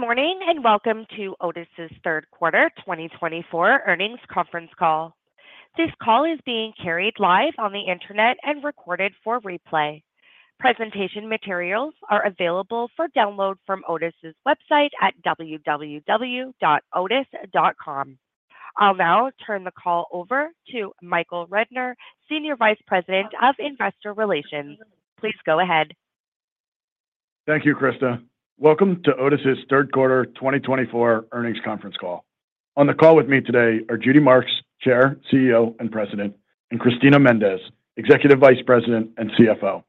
Good morning and welcome to Otis's Third Quarter 2024 earnings conference call. This call is being carried live on the internet and recorded for replay. Presentation materials are available for download from Otis's website at www.otis.com. I'll now turn the call over to Michael Rednor, Senior Vice President of Investor Relations. Please go ahead. Thank you, Krista. Welcome to Otis's Third Quarter 2024 earnings conference call. On the call with me today are Judy Marks, Chair, CEO, and President, and Cristina Méndez, Executive Vice President and CFO.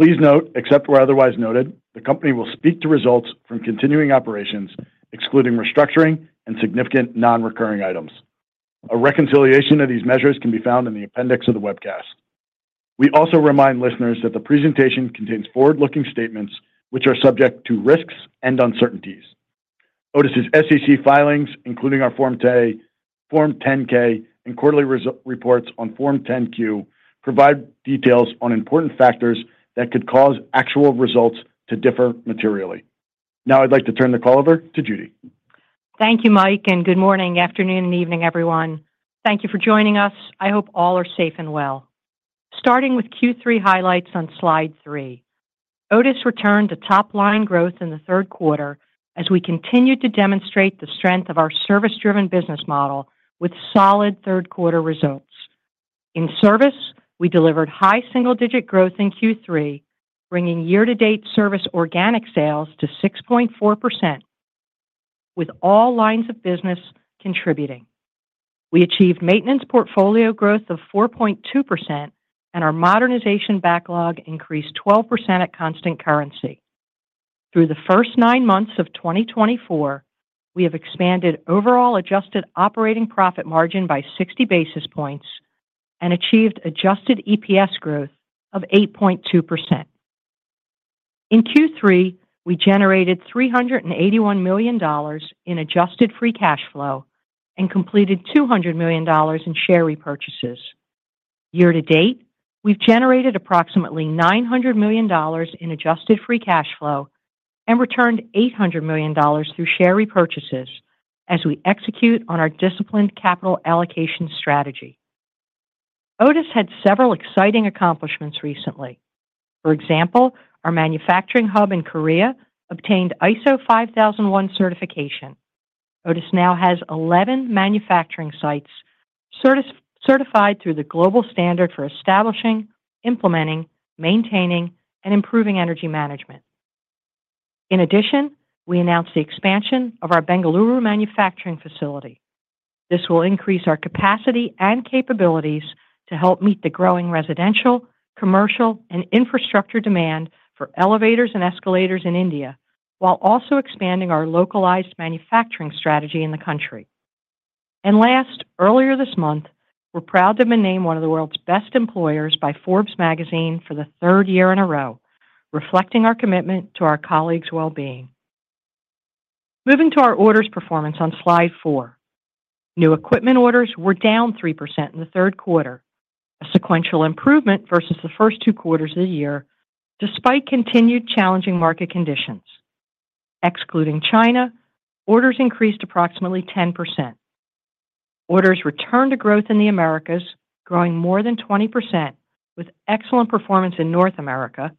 Please note, except where otherwise noted, the company will speak to results from continuing operations, excluding restructuring and significant non-recurring items. A reconciliation of these measures can be found in the appendix of the webcast. We also remind listeners that the presentation contains forward-looking statements, which are subject to risks and uncertainties. Otis's SEC filings, including our Form 10-K and quarterly reports on Form 10-Q, provide details on important factors that could cause actual results to differ materially. Now I'd like to turn the call over to Judy. Thank you, Mike, and good morning, afternoon, and evening, everyone. Thank you for joining us. I hope all are safe and well. Starting with Q3 highlights on slide three, Otis returned to top-line growth in the third quarter as we continued to demonstrate the strength of our service-driven business model with solid third-quarter results. In service, we delivered high single-digit growth in Q3, bringing year-to-date service organic sales to 6.4%, with all lines of business contributing. We achieved maintenance portfolio growth of 4.2%, and our modernization backlog increased 12% at constant currency. Through the first nine months of 2024, we have expanded overall adjusted operating profit margin by 60 basis points and achieved adjusted EPS growth of 8.2%. In Q3, we generated $381 million in adjusted free cash flow and completed $200 million in share repurchases. Year-to-date, we've generated approximately $900 million in adjusted free cash flow and returned $800 million through share repurchases as we execute on our disciplined capital allocation strategy. Otis had several exciting accomplishments recently. For example, our manufacturing hub in Korea obtained ISO 50001 certification. Otis now has 11 manufacturing sites certified through the global standard for establishing, implementing, maintaining, and improving energy management. In addition, we announced the expansion of our Bengaluru manufacturing facility. This will increase our capacity and capabilities to help meet the growing residential, commercial, and infrastructure demand for elevators and escalators in India, while also expanding our localized manufacturing strategy in the country. And last, earlier this month, we're proud to have been named one of the world's best employers by Forbes magazine for the third year in a row, reflecting our commitment to our colleagues' well-being. Moving to our orders performance on slide four, new equipment orders were down 3% in the third quarter, a sequential improvement versus the first two quarters of the year, despite continued challenging market conditions. Excluding China, orders increased approximately 10%. Orders returned to growth in the Americas, growing more than 20%, with excellent performance in North America,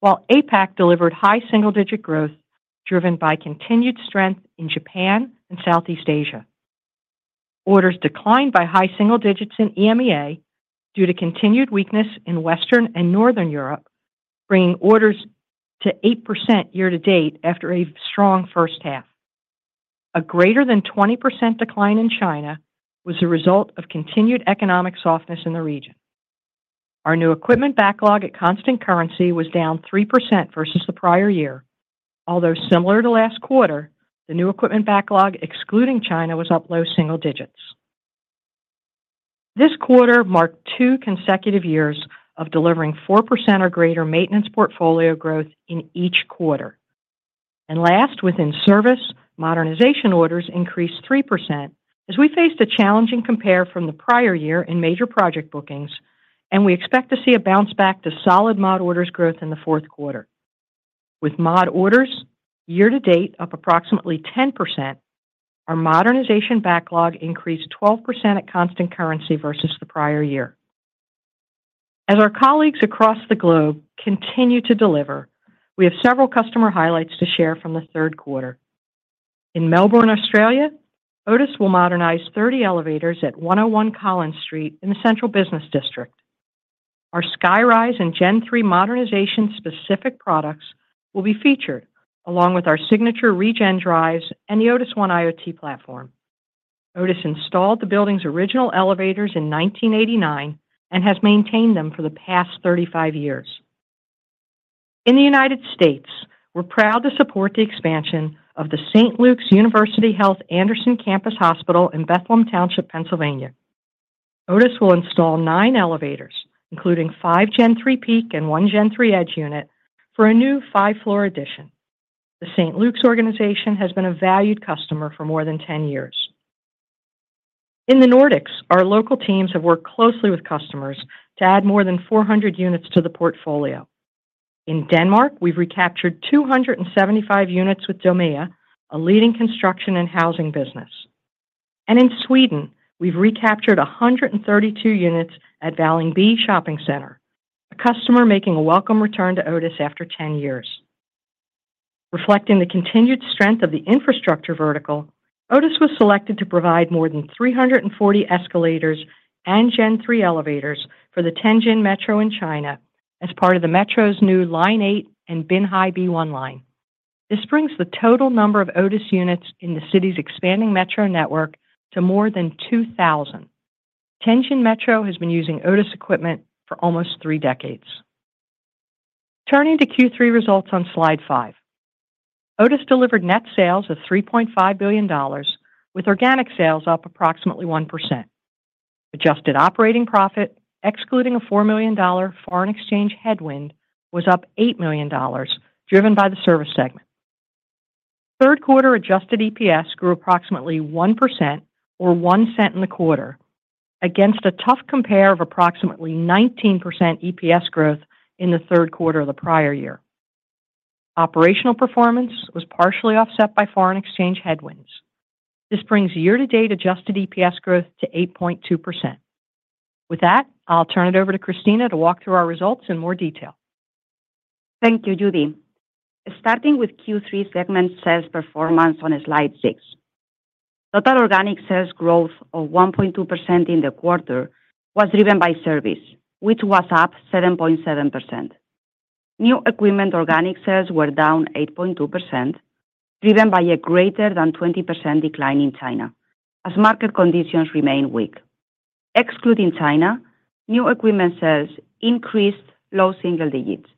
while APAC delivered high single-digit growth driven by continued strength in Japan and Southeast Asia. Orders declined by high single digits in EMEA due to continued weakness in Western and Northern Europe, bringing orders to 8% year-to-date after a strong first half. A greater than 20% decline in China was the result of continued economic softness in the region. Our new equipment backlog at constant currency was down 3% versus the prior year. Although similar to last quarter, the new equipment backlog, excluding China, was up low single digits. This quarter marked two consecutive years of delivering 4% or greater maintenance portfolio growth in each quarter. And last, within service, modernization orders increased 3% as we faced a challenging compare from the prior year in major project bookings, and we expect to see a bounce back to solid mod orders growth in the fourth quarter. With mod orders year-to-date up approximately 10%, our modernization backlog increased 12% at constant currency versus the prior year. As our colleagues across the globe continue to deliver, we have several customer highlights to share from the third quarter. In Melbourne, Australia, Otis will modernize 30 elevators at 101 Collins Street in the Central Business District. Our SkyRise and Gen3 modernization-specific products will be featured, along with our signature ReGen drives and the Otis ONE IoT platform. Otis installed the building's original elevators in 1989 and has maintained them for the past 35 years. In the United States, we're proud to support the expansion of the St. Luke's University Health Network's Anderson Campus Hospital in Bethlehem Township, Pennsylvania. Otis will install nine elevators, including five Gen3 Peak and one Gen3 Edge unit for a new five-floor addition. The St. Luke's organization has been a valued customer for more than 10 years. In the Nordics, our local teams have worked closely with customers to add more than 400 units to the portfolio. In Denmark, we've recaptured 275 units with Domea, a leading construction and housing business. In Sweden, we've recaptured 132 units at Vällingby Shopping Center, a customer making a welcome return to Otis after 10 years. Reflecting the continued strength of the infrastructure vertical, Otis was selected to provide more than 340 escalators and Gen3 elevators for the Tianjin Metro in China as part of the Metro's new Line 8 and Binhai B1 Line. This brings the total number of Otis units in the city's expanding metro network to more than 2,000. Tianjin Metro has been using Otis equipment for almost three decades. Turning to Q3 results on slide five, Otis delivered net sales of $3.5 billion, with organic sales up approximately 1%. Adjusted operating profit, excluding a $4 million foreign exchange headwind, was up $8 million, driven by the service segment. Third quarter adjusted EPS grew approximately 1% or $0.01 in the quarter, against a tough compare of approximately 19% EPS growth in the third quarter of the prior year. Operational performance was partially offset by foreign exchange headwinds. This brings year-to-date adjusted EPS growth to 8.2%. With that, I'll turn it over to Cristina to walk through our results in more detail. Thank you, Judy. Starting with Q3 segment sales performance on slide six, total organic sales growth of 1.2% in the quarter was driven by service, which was up 7.7%. New equipment organic sales were down 8.2%, driven by a greater than 20% decline in China as market conditions remained weak. Excluding China, new equipment sales increased low single digits.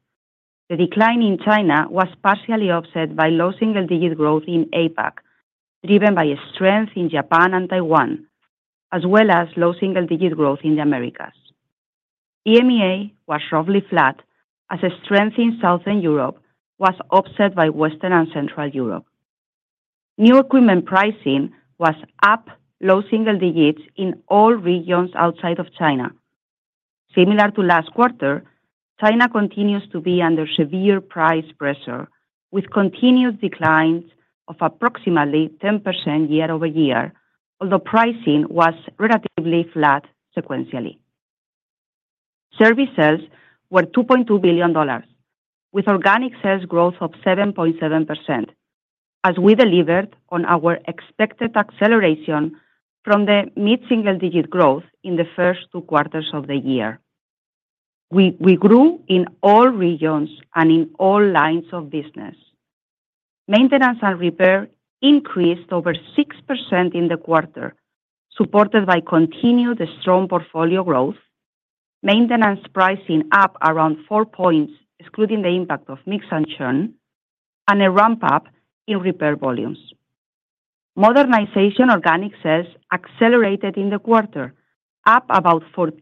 The decline in China was partially offset by low single digit growth in APAC, driven by strength in Japan and Taiwan, as well as low single digit growth in the Americas. EMEA was roughly flat as strength in Southern Europe was offset by Western and Central Europe. New equipment pricing was up low single digits in all regions outside of China. Similar to last quarter, China continues to be under severe price pressure, with continued declines of approximately 10% year-over-year, although pricing was relatively flat sequentially. Service sales were $2.2 billion, with organic sales growth of 7.7%, as we delivered on our expected acceleration from the mid-single digit growth in the first two quarters of the year. We grew in all regions and in all lines of business. Maintenance and repair increased over 6% in the quarter, supported by continued strong portfolio growth, maintenance pricing up around four points, excluding the impact of mix and churn, and a ramp-up in repair volumes. Modernization organic sales accelerated in the quarter, up about 14%,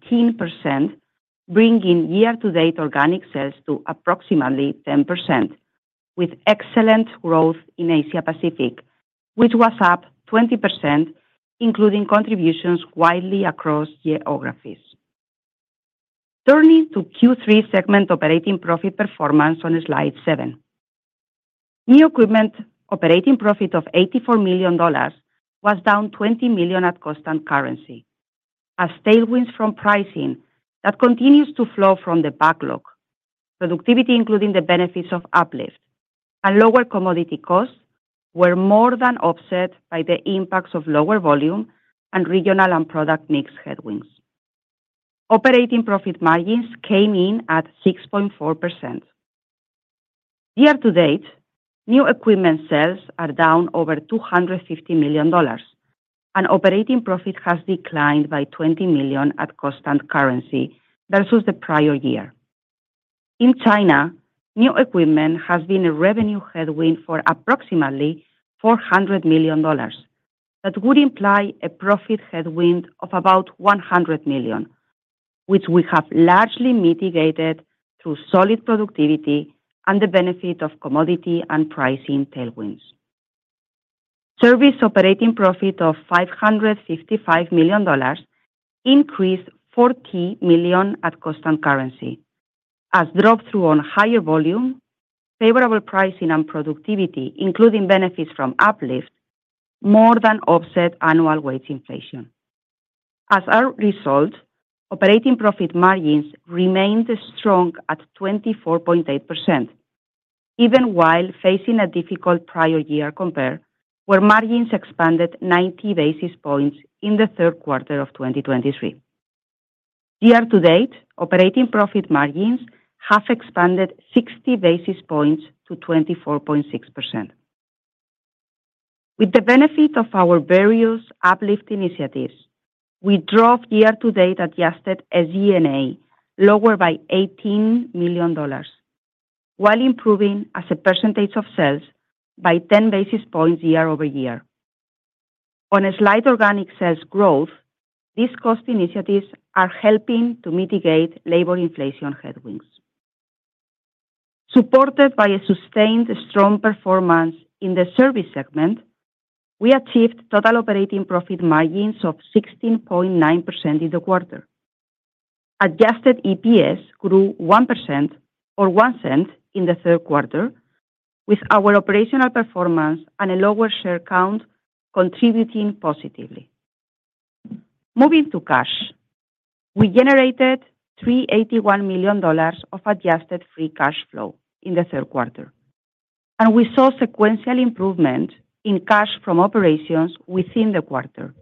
bringing year-to-date organic sales to approximately 10%, with excellent growth in Asia-Pacific, which was up 20%, including contributions widely across geographies. Turning to Q3 segment operating profit performance on slide seven, new equipment operating profit of $84 million was down $20 million at constant currency, as tailwinds from pricing that continues to flow from the backlog, productivity, including the benefits of UpLift, and lower commodity costs were more than offset by the impacts of lower volume and regional and product mix headwinds. Operating profit margins came in at 6.4%. Year-to-date, new equipment sales are down over $250 million, and operating profit has declined by $20 million at constant currency versus the prior year. In China, new equipment has been a revenue headwind for approximately $400 million that would imply a profit headwind of about $100 million, which we have largely mitigated through solid productivity and the benefit of commodity and pricing tailwinds. Service operating profit of $555 million increased $40 million at constant currency, as drop-through on higher volume, favorable pricing, and productivity, including benefits from UpLift, more than offset annual wage inflation. As a result, operating profit margins remained strong at 24.8%, even while facing a difficult prior year compare where margins expanded 90 basis points in the third quarter of 2023. Year-to-date, operating profit margins have expanded 60 basis points to 24.6%. With the benefit of our various UpLift initiatives, we drove year-to-date adjusted SG&A lower by $18 million, while improving SG&A as a percentage of sales by 10 basis points year-over-year. Amid organic sales growth, these cost initiatives are helping to mitigate labor inflation headwinds. Supported by a sustained strong performance in the service segment, we achieved total operating profit margins of 16.9% in the quarter. Adjusted EPS grew 1% or $0.01 in the third quarter, with our operational performance and a lower share count contributing positively. Moving to cash, we generated $381 million of adjusted free cash flow in the third quarter, and we saw sequential improvement in cash from operations within the quarter.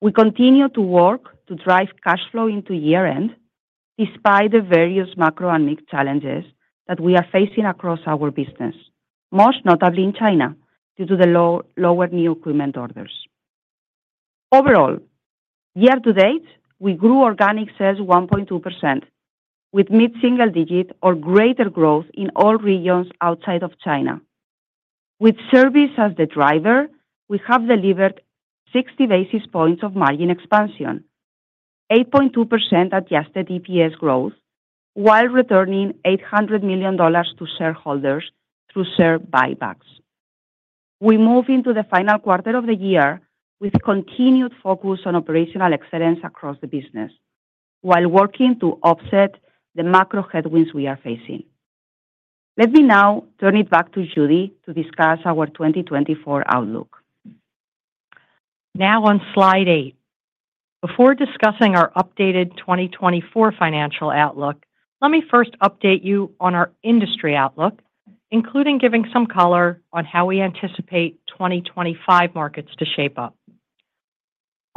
We continue to work to drive cash flow into year-end despite the various macro and mixed challenges that we are facing across our business, most notably in China due to the lower new equipment orders. Overall, year-to-date, we grew organic sales 1.2%, with mid-single digit or greater growth in all regions outside of China. With service as the driver, we have delivered 60 basis points of margin expansion, 8.2% adjusted EPS growth, while returning $800 million to shareholders through share buybacks. We move into the final quarter of the year with continued focus on operational excellence across the business, while working to offset the macro headwinds we are facing. Let me now turn it back to Judy to discuss our 2024 outlook. Now on slide eight, before discussing our updated 2024 financial outlook, let me first update you on our industry outlook, including giving some color on how we anticipate 2025 markets to shape up.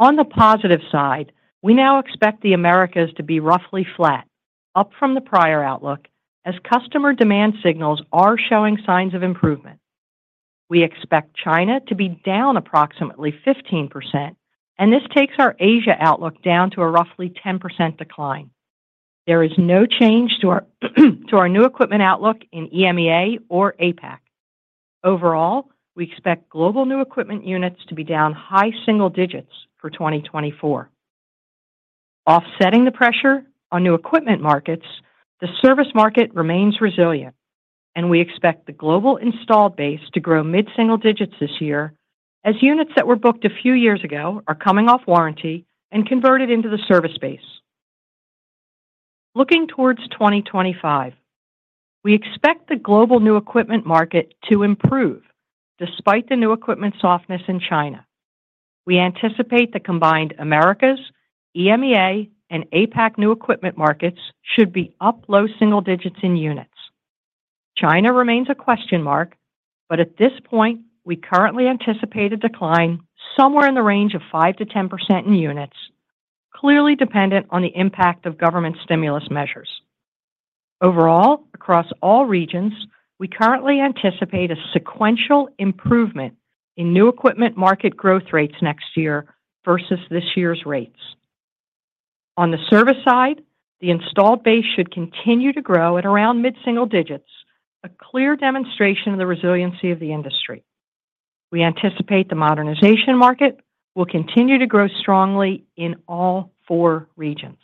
On the positive side, we now expect the Americas to be roughly flat, up from the prior outlook, as customer demand signals are showing signs of improvement. We expect China to be down approximately 15%, and this takes our Asia outlook down to a roughly 10% decline. There is no change to our new equipment outlook in EMEA or APAC. Overall, we expect global new equipment units to be down high single digits for 2024. Offsetting the pressure on new equipment markets, the service market remains resilient, and we expect the global installed base to grow mid-single digits this year, as units that were booked a few years ago are coming off warranty and converted into the service base. Looking towards 2025, we expect the global new equipment market to improve despite the new equipment softness in China. We anticipate the combined Americas, EMEA, and APAC new equipment markets should be up low single digits in units. China remains a question mark, but at this point, we currently anticipate a decline somewhere in the range of 5%-10% in units, clearly dependent on the impact of government stimulus measures. Overall, across all regions, we currently anticipate a sequential improvement in new equipment market growth rates next year versus this year's rates. On the service side, the installed base should continue to grow at around mid-single digits, a clear demonstration of the resiliency of the industry. We anticipate the modernization market will continue to grow strongly in all four regions.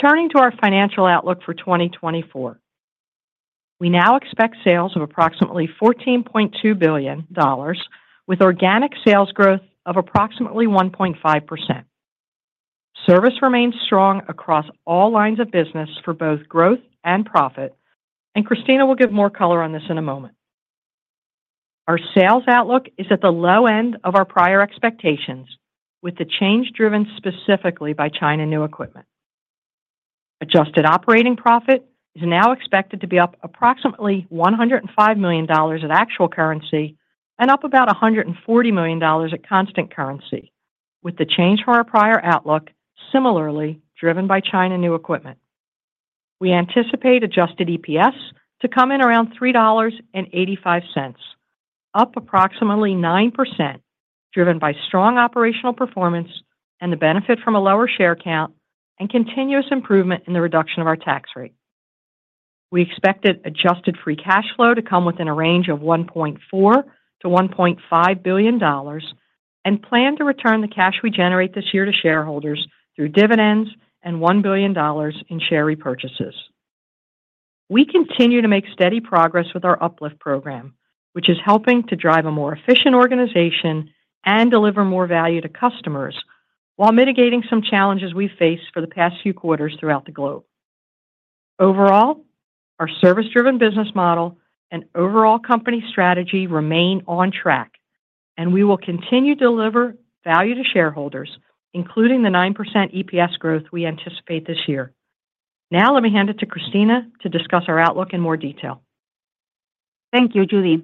Turning to our financial outlook for 2024, we now expect sales of approximately $14.2 billion, with organic sales growth of approximately 1.5%. Service remains strong across all lines of business for both growth and profit, and Cristina will give more color on this in a moment. Our sales outlook is at the low end of our prior expectations, with the change driven specifically by China new equipment. Adjusted operating profit is now expected to be up approximately $105 million at actual currency and up about $140 million at constant currency, with the change from our prior outlook similarly driven by China new equipment. We anticipate adjusted EPS to come in around $3.85, up approximately 9%, driven by strong operational performance and the benefit from a lower share count and continuous improvement in the reduction of our tax rate. We expected adjusted free cash flow to come within a range of $1.4 billion-$1.5 billion and plan to return the cash we generate this year to shareholders through dividends and $1 billion in share repurchases. We continue to make steady progress with our UpLift program, which is helping to drive a more efficient organization and deliver more value to customers while mitigating some challenges we've faced for the past few quarters throughout the globe. Overall, our service-driven business model and overall company strategy remain on track, and we will continue to deliver value to shareholders, including the 9% EPS growth we anticipate this year. Now let me hand it to Cristina to discuss our outlook in more detail. Thank you, Judy.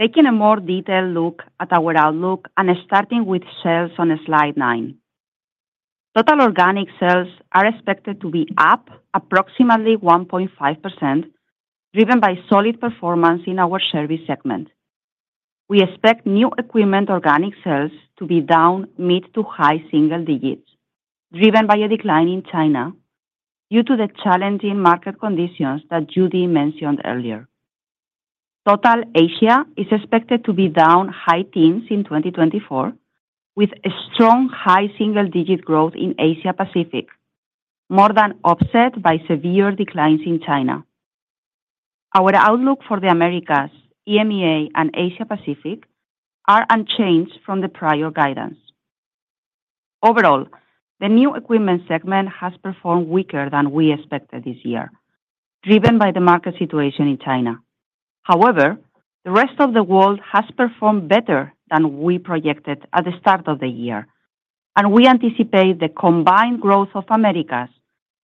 Taking a more detailed look at our outlook and starting with sales on slide nine, total organic sales are expected to be up approximately 1.5%, driven by solid performance in our service segment. We expect new equipment organic sales to be down mid to high single digits, driven by a decline in China due to the challenging market conditions that Judy mentioned earlier. Total Asia is expected to be down high teens in 2024, with strong high single digit growth in Asia-Pacific, more than offset by severe declines in China. Our outlook for the Americas, EMEA, and Asia-Pacific is unchanged from the prior guidance. Overall, the new equipment segment has performed weaker than we expected this year, driven by the market situation in China. However, the rest of the world has performed better than we projected at the start of the year, and we anticipate the combined growth of Americas,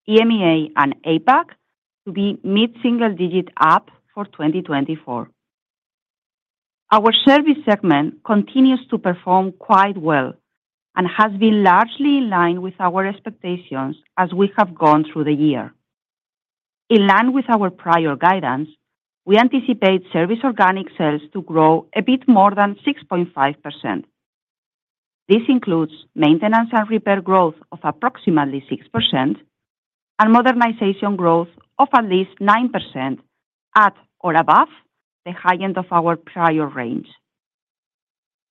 EMEA, and APAC to be mid-single digit up for 2024. Our service segment continues to perform quite well and has been largely in line with our expectations as we have gone through the year. In line with our prior guidance, we anticipate service organic sales to grow a bit more than 6.5%. This includes maintenance and repair growth of approximately 6% and modernization growth of at least 9% at or above the high end of our prior range.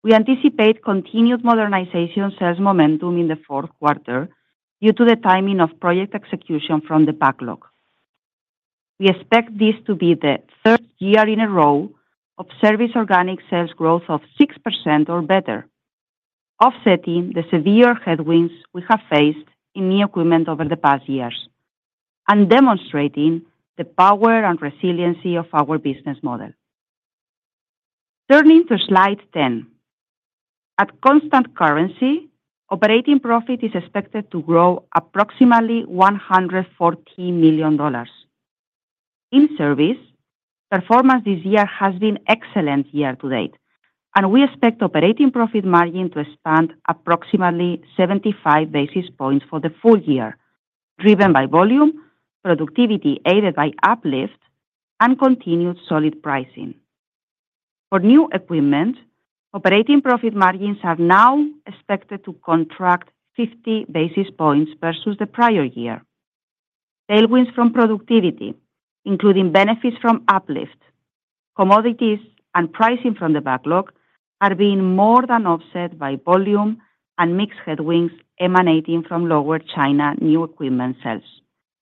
We anticipate continued modernization sales momentum in the fourth quarter due to the timing of project execution from the backlog. We expect this to be the third year in a row of service organic sales growth of 6% or better, offsetting the severe headwinds we have faced in new equipment over the past years and demonstrating the power and resiliency of our business model. Turning to slide 10, at constant currency, operating profit is expected to grow approximately $140 million. In service, performance this year has been excellent year-to-date, and we expect operating profit margin to expand approximately 75 basis points for the full year, driven by volume, productivity aided by UpLift, and continued solid pricing. For new equipment, operating profit margins are now expected to contract 50 basis points versus the prior year. Tailwinds from productivity, including benefits from UpLift, commodities, and pricing from the backlog, are being more than offset by volume and mixed headwinds emanating from lower China new equipment sales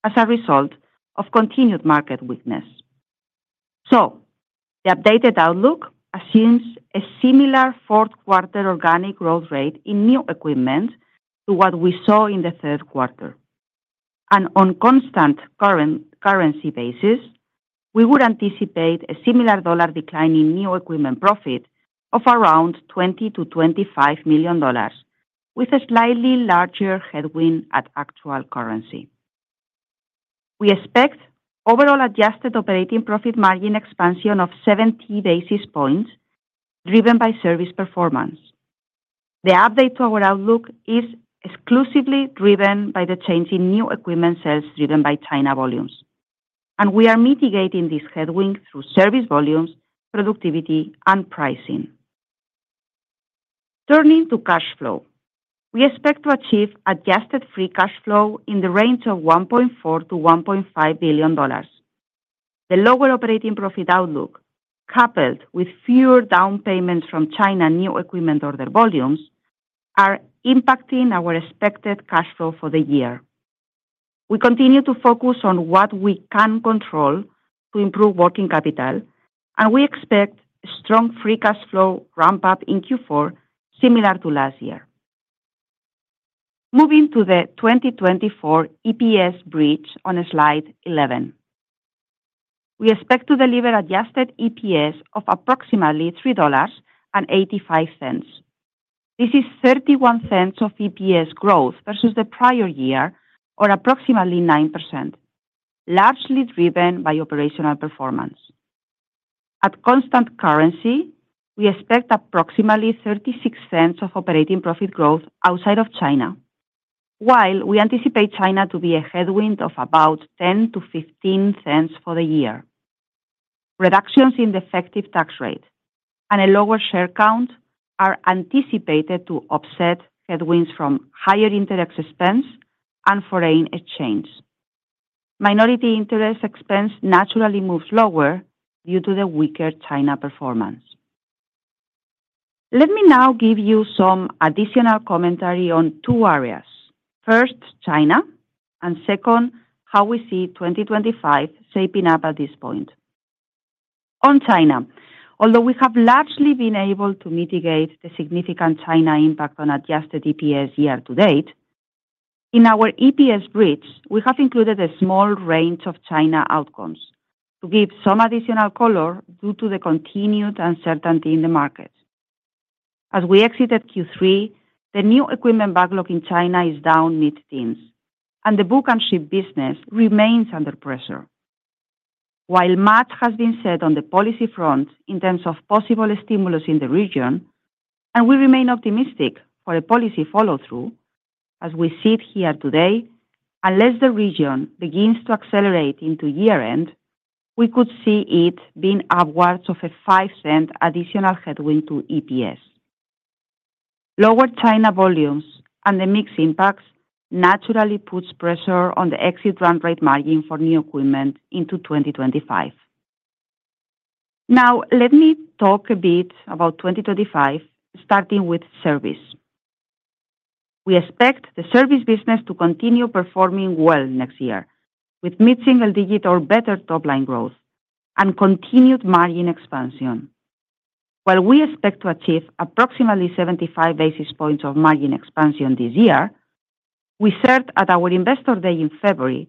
as a result of continued market weakness. So the updated outlook assumes a similar fourth quarter organic growth rate in new equipment to what we saw in the third quarter. And on constant currency basis, we would anticipate a similar dollar decline in new equipment profit of around $20-$25 million, with a slightly larger headwind at actual currency. We expect overall adjusted operating profit margin expansion of 70 basis points, driven by service performance. The update to our outlook is exclusively driven by the change in new equipment sales driven by China volumes, and we are mitigating this headwind through service volumes, productivity, and pricing. Turning to cash flow, we expect to achieve adjusted free cash flow in the range of $1.4 billion-$1.5 billion. The lower operating profit outlook, coupled with fewer down payments from China new equipment order volumes, are impacting our expected cash flow for the year. We continue to focus on what we can control to improve working capital, and we expect strong free cash flow ramp-up in Q4, similar to last year. Moving to the 2024 EPS bridge on slide 11, we expect to deliver adjusted EPS of approximately $3.85. This is $0.31 of EPS growth versus the prior year, or approximately 9%, largely driven by operational performance. At constant currency, we expect approximately $0.36 of operating profit growth outside of China, while we anticipate China to be a headwind of about $0.10-$0.15 for the year. Reductions in the effective tax rate and a lower share count are anticipated to offset headwinds from higher interest expense and foreign exchange. Minority interest expense naturally moves lower due to the weaker China performance. Let me now give you some additional commentary on two areas. First, China, and second, how we see 2025 shaping up at this point. On China, although we have largely been able to mitigate the significant China impact on adjusted EPS year-to-date, in our EPS bridge, we have included a small range of China outcomes to give some additional color due to the continued uncertainty in the market. As we exited Q3, the new equipment backlog in China is down mid-teens, and the book-and-ship business remains under pressure. While much has been said on the policy front in terms of possible stimulus in the region, and we remain optimistic for a policy follow-through, as we sit here today, unless the region begins to accelerate into year-end, we could see it being upwards of a $0.05 additional headwind to EPS. Lower China volumes and the mixed impacts naturally put pressure on the exit run rate margin for new equipment into 2025. Now, let me talk a bit about 2025, starting with service. We expect the service business to continue performing well next year, with mid-single digit or better top-line growth and continued margin expansion. While we expect to achieve approximately 75 basis points of margin expansion this year, we said at our investor day in February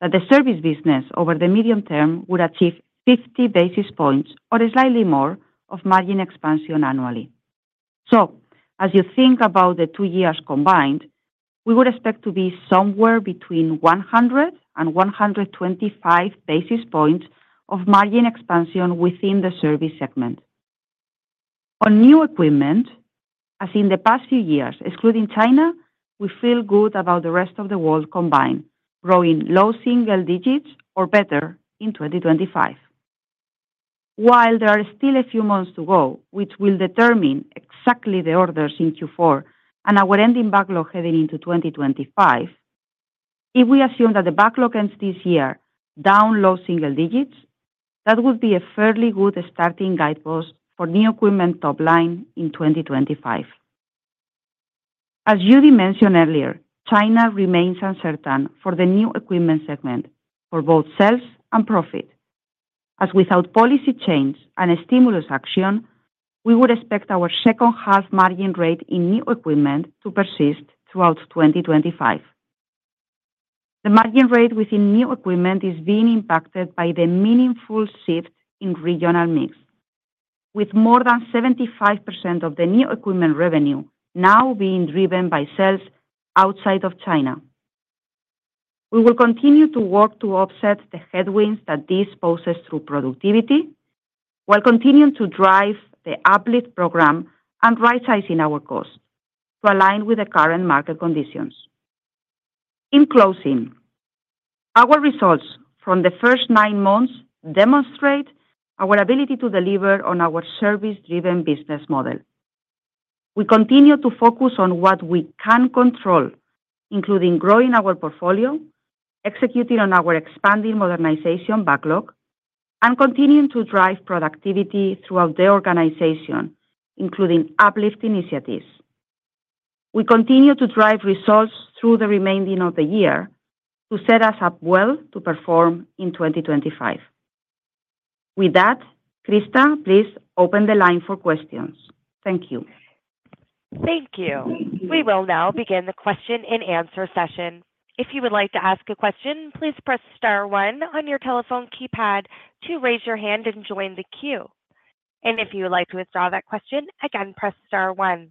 that the service business over the medium term would achieve 50 basis points or slightly more of margin expansion annually. So as you think about the two years combined, we would expect to be somewhere between 100 and 125 basis points of margin expansion within the service segment. On new equipment, as in the past few years, excluding China, we feel good about the rest of the world combined, growing low single digits or better in 2025. While there are still a few months to go, which will determine exactly the orders in Q4 and our ending backlog heading into 2025, if we assume that the backlog ends this year down low single digits, that would be a fairly good starting guidepost for new equipment top-line in 2025. As Judy mentioned earlier, China remains uncertain for the new equipment segment for both sales and profit. As without policy change and stimulus action, we would expect our second-half margin rate in new equipment to persist throughout 2025. The margin rate within new equipment is being impacted by the meaningful shift in regional mix, with more than 75% of the new equipment revenue now being driven by sales outside of China. We will continue to work to offset the headwinds that this poses through productivity while continuing to drive the UpLift program and right-sizing our cost to align with the current market conditions. In closing, our results from the first nine months demonstrate our ability to deliver on our service-driven business model. We continue to focus on what we can control, including growing our portfolio, executing on our expanding modernization backlog, and continuing to drive productivity throughout the organization, including UpLift initiatives. We continue to drive results through the remainder of the year to set us up well to perform in 2025. With that, Krista, please open the line for questions. Thank you. Thank you. We will now begin the question-and-answer session. If you would like to ask a question, please press star one on your telephone keypad to raise your hand and join the queue. And if you would like to withdraw that question, again, press star one.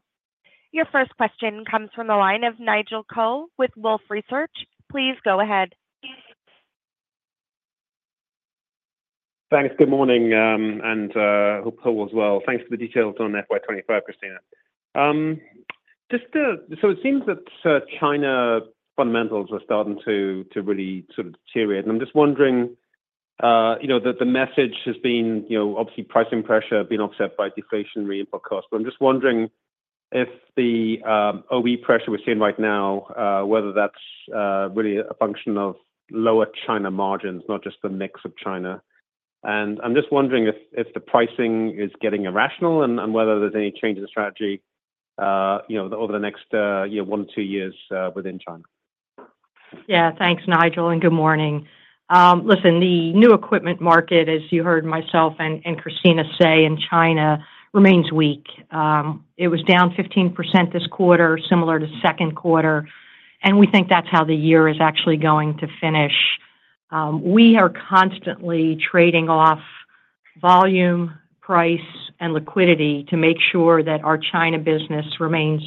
Your first question comes from the line of Nigel Coe with Wolfe Research. Please go ahead. Thanks. Good morning, and hope as well. Thanks for the details on FY 2025, Cristina, so it seems that China fundamentals are starting to really sort of deteriorate, and I'm just wondering, the message has been, obviously, pricing pressure being offset by deflationary input costs, but I'm just wondering if the OE pressure we're seeing right now, whether that's really a function of lower China margins, not just the mix of China, and I'm just wondering if the pricing is getting irrational and whether there's any change in strategy over the next one to two years within China. Yeah, thanks, Nigel, and good morning. Listen, the new equipment market, as you heard myself and Cristina say in China, remains weak. It was down 15% this quarter, similar to second quarter. And we think that's how the year is actually going to finish. We are constantly trading off volume, price, and liquidity to make sure that our China business remains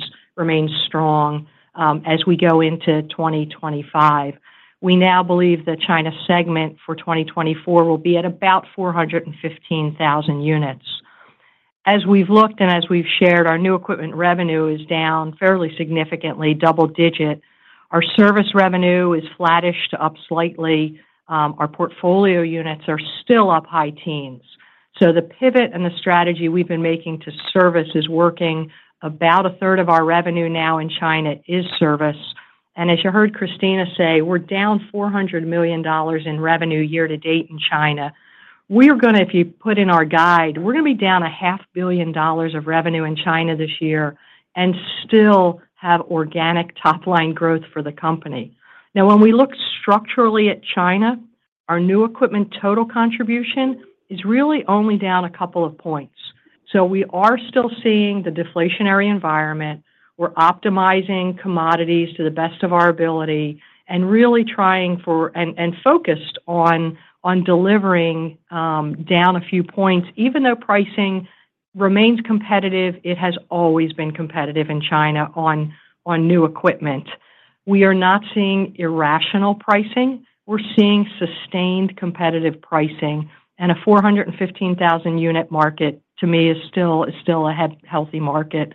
strong as we go into 2025. We now believe the China segment for 2024 will be at about 415,000 units. As we've looked and as we've shared, our new equipment revenue is down fairly significantly, double-digit. Our service revenue is flattish to up slightly. Our portfolio units are still up high teens. So the pivot and the strategy we've been making to service is working. About a third of our revenue now in China is service. As you heard Cristina say, we're down $400 million in revenue year-to-date in China. If you put in our guide, we're going to be down $500 million of revenue in China this year and still have organic top-line growth for the company. Now, when we look structurally at China, our new equipment total contribution is really only down a couple of points. So we are still seeing the deflationary environment. We're optimizing commodities to the best of our ability and really trying for and focused on delivering down a few points. Even though pricing remains competitive, it has always been competitive in China on new equipment. We are not seeing irrational pricing. We're seeing sustained competitive pricing. And a 415,000 unit market, to me, is still a healthy market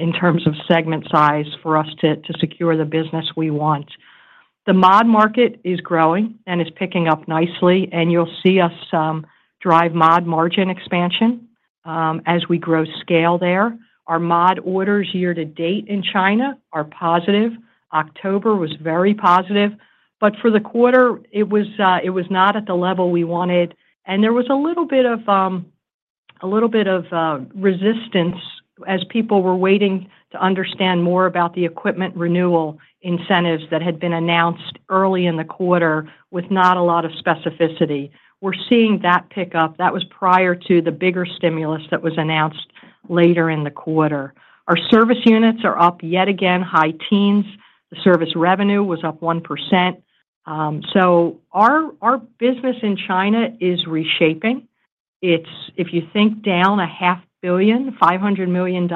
in terms of segment size for us to secure the business we want. The mod market is growing and is picking up nicely, and you'll see us drive mod margin expansion as we grow scale there. Our mod orders year-to-date in China are positive. October was very positive, but for the quarter, it was not at the level we wanted, and there was a little bit of resistance as people were waiting to understand more about the equipment renewal incentives that had been announced early in the quarter with not a lot of specificity. We're seeing that pick up. That was prior to the bigger stimulus that was announced later in the quarter. Our service units are up yet again, high teens. The service revenue was up 1%. Our business in China is reshaping. If you think down to $500 million,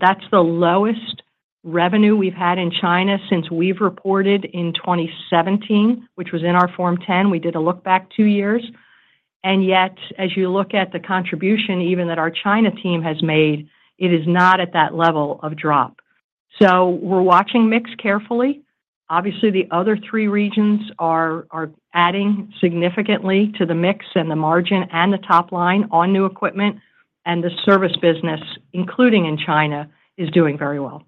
that's the lowest revenue we've had in China since we've reported in 2017, which was in our Form 10-K. We did a look back two years. And yet, as you look at the contribution even that our China team has made, it is not at that level of drop. So we're watching mix carefully. Obviously, the other three regions are adding significantly to the mix and the margin and the top line on new equipment. And the service business, including in China, is doing very well.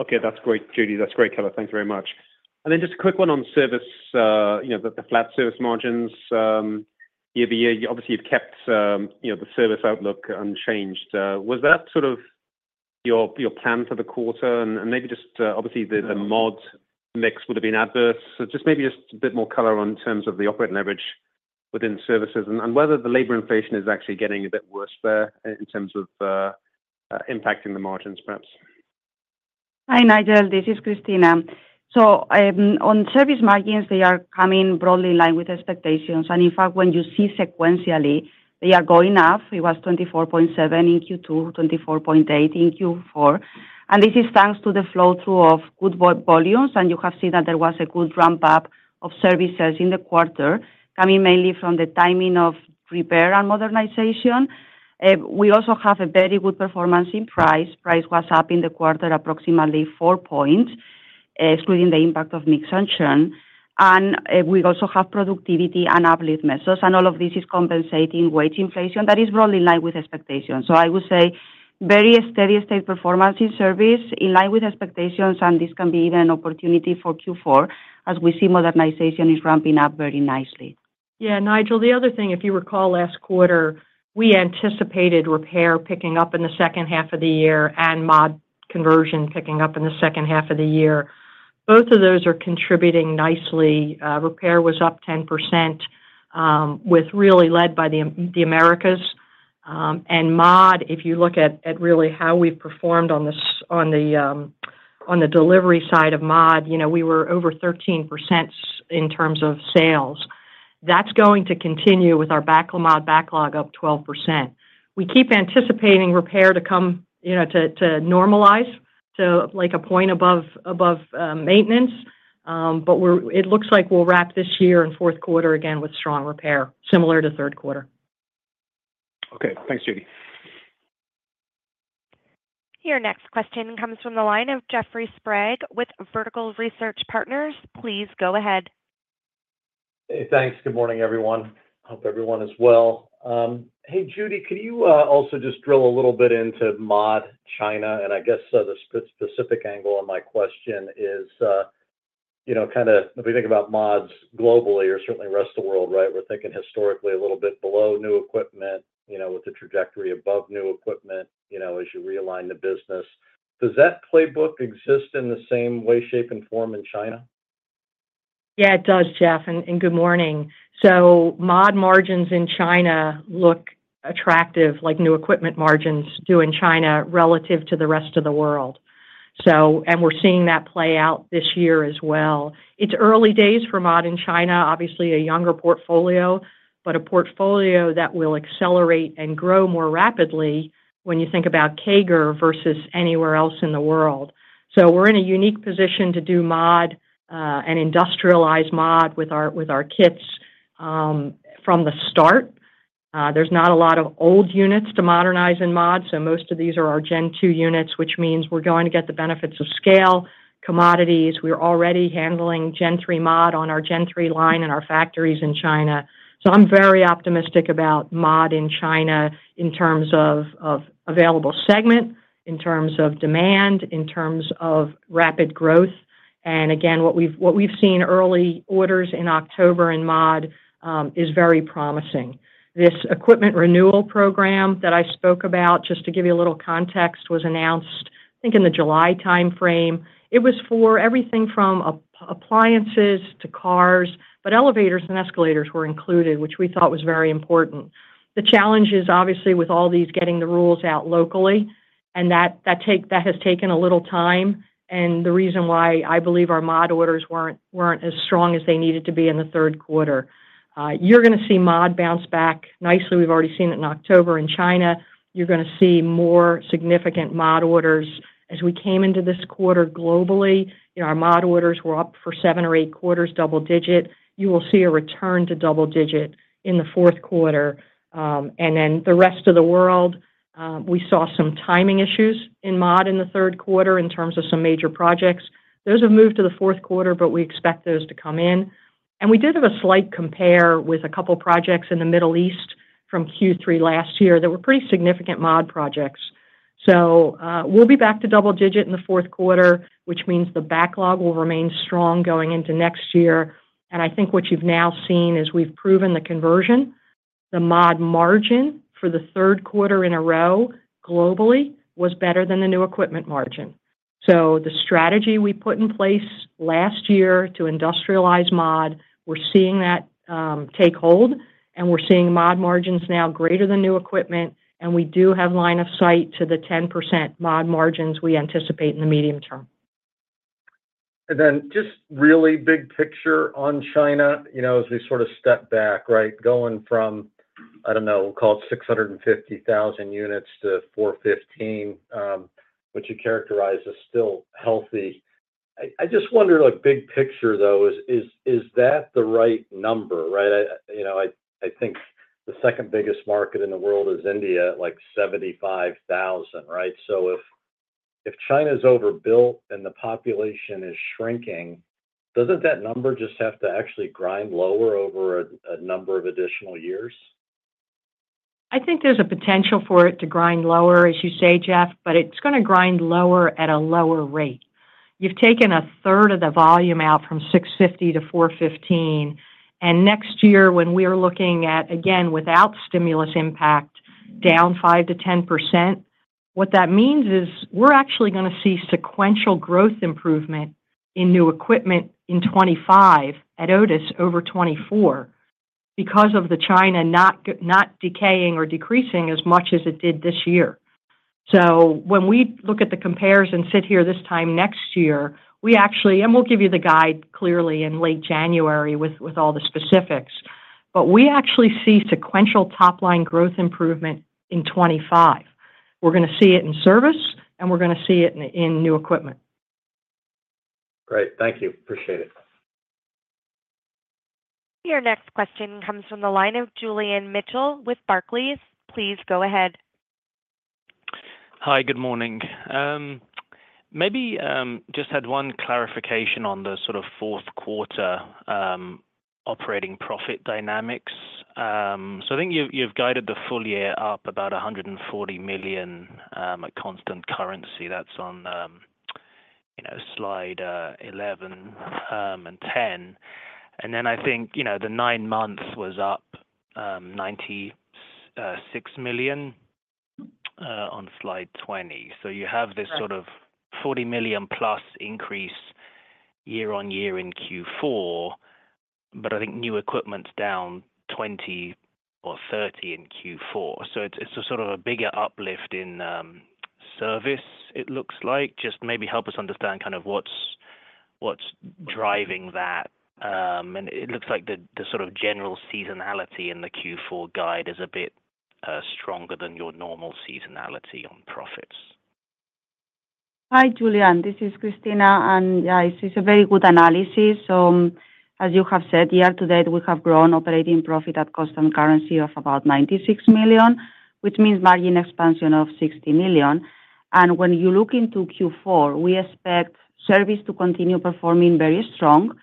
Okay, that's great, Judy. That's great color. Thanks very much. And then just a quick one on service, the flat service margins year-to-year. Obviously, you've kept the service outlook unchanged. Was that sort of your plan for the quarter? And maybe just, obviously, the mod mix would have been adverse. Just maybe just a bit more color in terms of the operating leverage within services and whether the labor inflation is actually getting a bit worse there in terms of impacting the margins, perhaps. Hi, Nigel. This is Cristina. So on service margins, they are coming broadly in line with expectations. And in fact, when you see sequentially, they are going up. It was 24.7% in Q2, 24.8% in Q4. And this is thanks to the flow-through of good volumes. And you have seen that there was a good ramp-up of services in the quarter coming mainly from the timing of repair and modernization. We also have a very good performance in price. Price was up in the quarter approximately four points, excluding the impact of mix and churn And we also have productivity and UpLift measures. And all of this is compensating wage inflation that is broadly in line with expectations. So I would say very steady state performance in service in line with expectations. And this can be even an opportunity for Q4 as we see modernization is ramping up very nicely. Yeah, Nigel, the other thing, if you recall last quarter, we anticipated repair picking up in the second half of the year and mod conversion picking up in the second half of the year. Both of those are contributing nicely. Repair was up 10% with really led by the Americas. And mod, if you look at really how we've performed on the delivery side of mod, we were over 13% in terms of sales. That's going to continue with our backlog up 12%. We keep anticipating repair to come to normalize to a point above maintenance. But it looks like we'll wrap this year and fourth quarter again with strong repair, similar to third quarter. Okay, thanks, Judy. Your next question comes from the line of Jeffrey Sprague with Vertical Research Partners. Please go ahead. Hey, thanks. Good morning, everyone. Hope everyone is well. Hey, Judy, could you also just drill a little bit into mod China? And I guess the specific angle on my question is kind of if we think about mods globally or certainly the rest of the world, right, we're thinking historically a little bit below new equipment with a trajectory above new equipment as you realign the business. Does that playbook exist in the same way, shape, and form in China? Yeah, it does, Jeff. And good morning. So mod margins in China look attractive like new equipment margins do in China relative to the rest of the world. And we're seeing that play out this year as well. It's early days for mod in China, obviously a younger portfolio, but a portfolio that will accelerate and grow more rapidly when you think about CAGR versus anywhere else in the world. So we're in a unique position to do mod and industrialize mod with our kits from the start. There's not a lot of old units to modernize in mod. So most of these are our Gen2 units, which means we're going to get the benefits of scale, commodities. We're already handling Gen3 mod on our Gen3 line in our factories in China. I'm very optimistic about mod in China in terms of elevator segment, in terms of demand, in terms of rapid growth. Again, what we've seen, early orders in October in mod, is very promising. This equipment renewal program that I spoke about, just to give you a little context, was announced, I think, in the July timeframe. It was for everything from appliances to cars, but elevators and escalators were included, which we thought was very important. The challenge is, obviously, with all these, getting the rules out locally, and that has taken a little time. The reason why I believe our mod orders weren't as strong as they needed to be in the third quarter. You're going to see mod bounce back nicely. We've already seen it in October in China. You're going to see more significant mod orders. As we came into this quarter globally, our mod orders were up for seven or eight quarters, double-digit. You will see a return to double-digit in the fourth quarter and then the rest of the world, we saw some timing issues in mod in the third quarter in terms of some major projects. Those have moved to the fourth quarter, but we expect those to come in, and we did have a slight compare with a couple of projects in the Middle East from Q3 last year that were pretty significant mod projects so we'll be back to double-digit in the fourth quarter, which means the backlog will remain strong going into next year, and I think what you've now seen is we've proven the conversion. The mod margin for the third quarter in a row globally was better than the new equipment margin. So the strategy we put in place last year to industrialize mod, we're seeing that take hold. And we're seeing mod margins now greater than new equipment. And we do have line of sight to the 10% mod margins we anticipate in the medium term. And then just really big picture on China, as we sort of step back, right, going from, I don't know, we'll call it 650,000 units to 415,000, which you characterize as still healthy. I just wonder, big picture, though, is that the right number, right? I think the second biggest market in the world is India, like 75,000, right? So if China's overbuilt and the population is shrinking, doesn't that number just have to actually grind lower over a number of additional years? I think there's a potential for it to grind lower, as you say, Jeff, but it's going to grind lower at a lower rate. You've taken a third of the volume out from 650 to 415, and next year, when we are looking at, again, without stimulus impact, down 5%-10%, what that means is we're actually going to see sequential growth improvement in new equipment in 2025 at Otis over 2024 because of the China not decaying or decreasing as much as it did this year. So when we look at the compares and sit here this time next year, we actually, and we'll give you the guide clearly in late January with all the specifics, but we actually see sequential top-line growth improvement in 2025. We're going to see it in service, and we're going to see it in new equipment. Great. Thank you. Appreciate it. Your next question comes from the line of Julian Mitchell with Barclays. Please go ahead. Hi, good morning. Maybe just had one clarification on the sort of fourth quarter operating profit dynamics. So I think you've guided the full year up about $140 million at constant currency. That's on slide 11 and 10. And then I think the nine months was up $96 million on slide 20. So you have this sort of $40 million plus increase year-on-year in Q4, but I think new equipment's down $20 or $30 in Q4. So it's a sort of a bigger UpLift in service, it looks like. Just maybe help us understand kind of what's driving that. And it looks like the sort of general seasonality in the Q4 guide is a bit stronger than your normal seasonality on profits. Hi, Julian. This is Cristina. And yeah, it's a very good analysis. So as you have said, year-to-date, we have grown operating profit at constant currency of about $96 million, which means margin expansion of $60 million. And when you look into Q4, we expect service to continue performing very strong,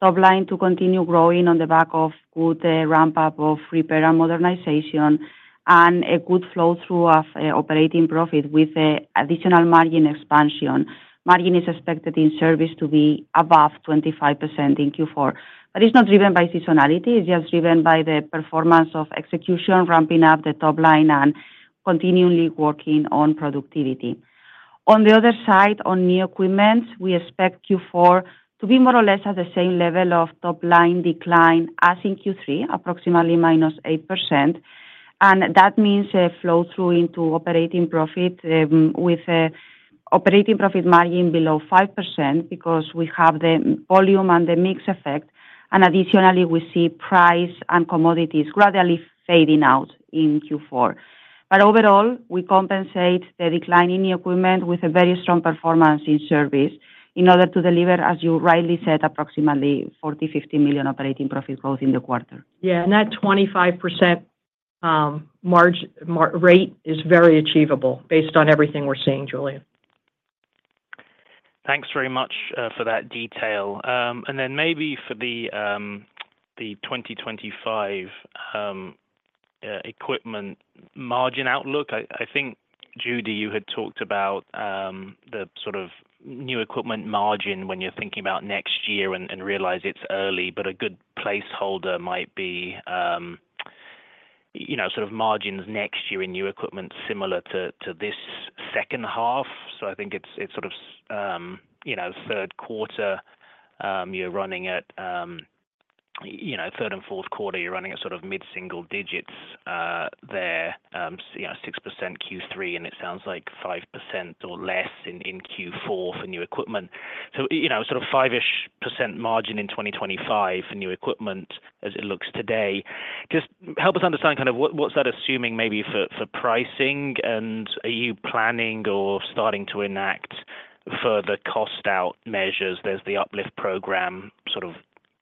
top line to continue growing on the back of good ramp-up of repair and modernization, and a good flow-through of operating profit with additional margin expansion. Margin is expected in service to be above 25% in Q4. But it's not driven by seasonality. It's just driven by the performance of execution, ramping up the top line, and continually working on productivity. On the other side, on new equipment, we expect Q4 to be more or less at the same level of top line decline as in Q3, approximately -8%. That means a flow-through into operating profit with operating profit margin below 5% because we have the volume and the mix effect. Additionally, we see price and commodities gradually fading out in Q4. Overall, we compensate the decline in new equipment with a very strong performance in service in order to deliver, as you rightly said, approximately $40 million-$50 million operating profit growth in the quarter. Yeah, and that 25% rate is very achievable based on everything we're seeing, Julian. Thanks very much for that detail. And then maybe for the 2025 equipment margin outlook, I think, Judy, you had talked about the sort of new equipment margin when you're thinking about next year and realize it's early, but a good placeholder might be sort of margins next year in new equipment similar to this second half. So I think it's sort of third quarter, you're running at third and fourth quarter, you're running at sort of mid-single digits there, 6% Q3, and it sounds like 5% or less in Q4 for new equipment. So sort of 5-ish percent margin in 2025 for new equipment as it looks today. Just help us understand kind of what's that assuming maybe for pricing, and are you planning or starting to enact further cost-out measures? There's the UpLift program sort of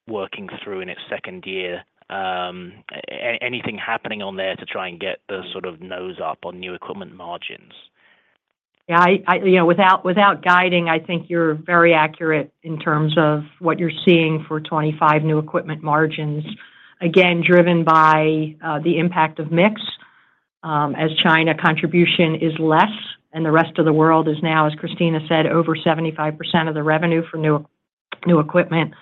working through in its second year. Anything happening on there to try and get the sort of nose up on new equipment margins? Yeah, without guiding, I think you're very accurate in terms of what you're seeing for 2025 new equipment margins, again, driven by the impact of mix as China contribution is less, and the rest of the world is now, as Cristina said, over 75% of the revenue for new equipment.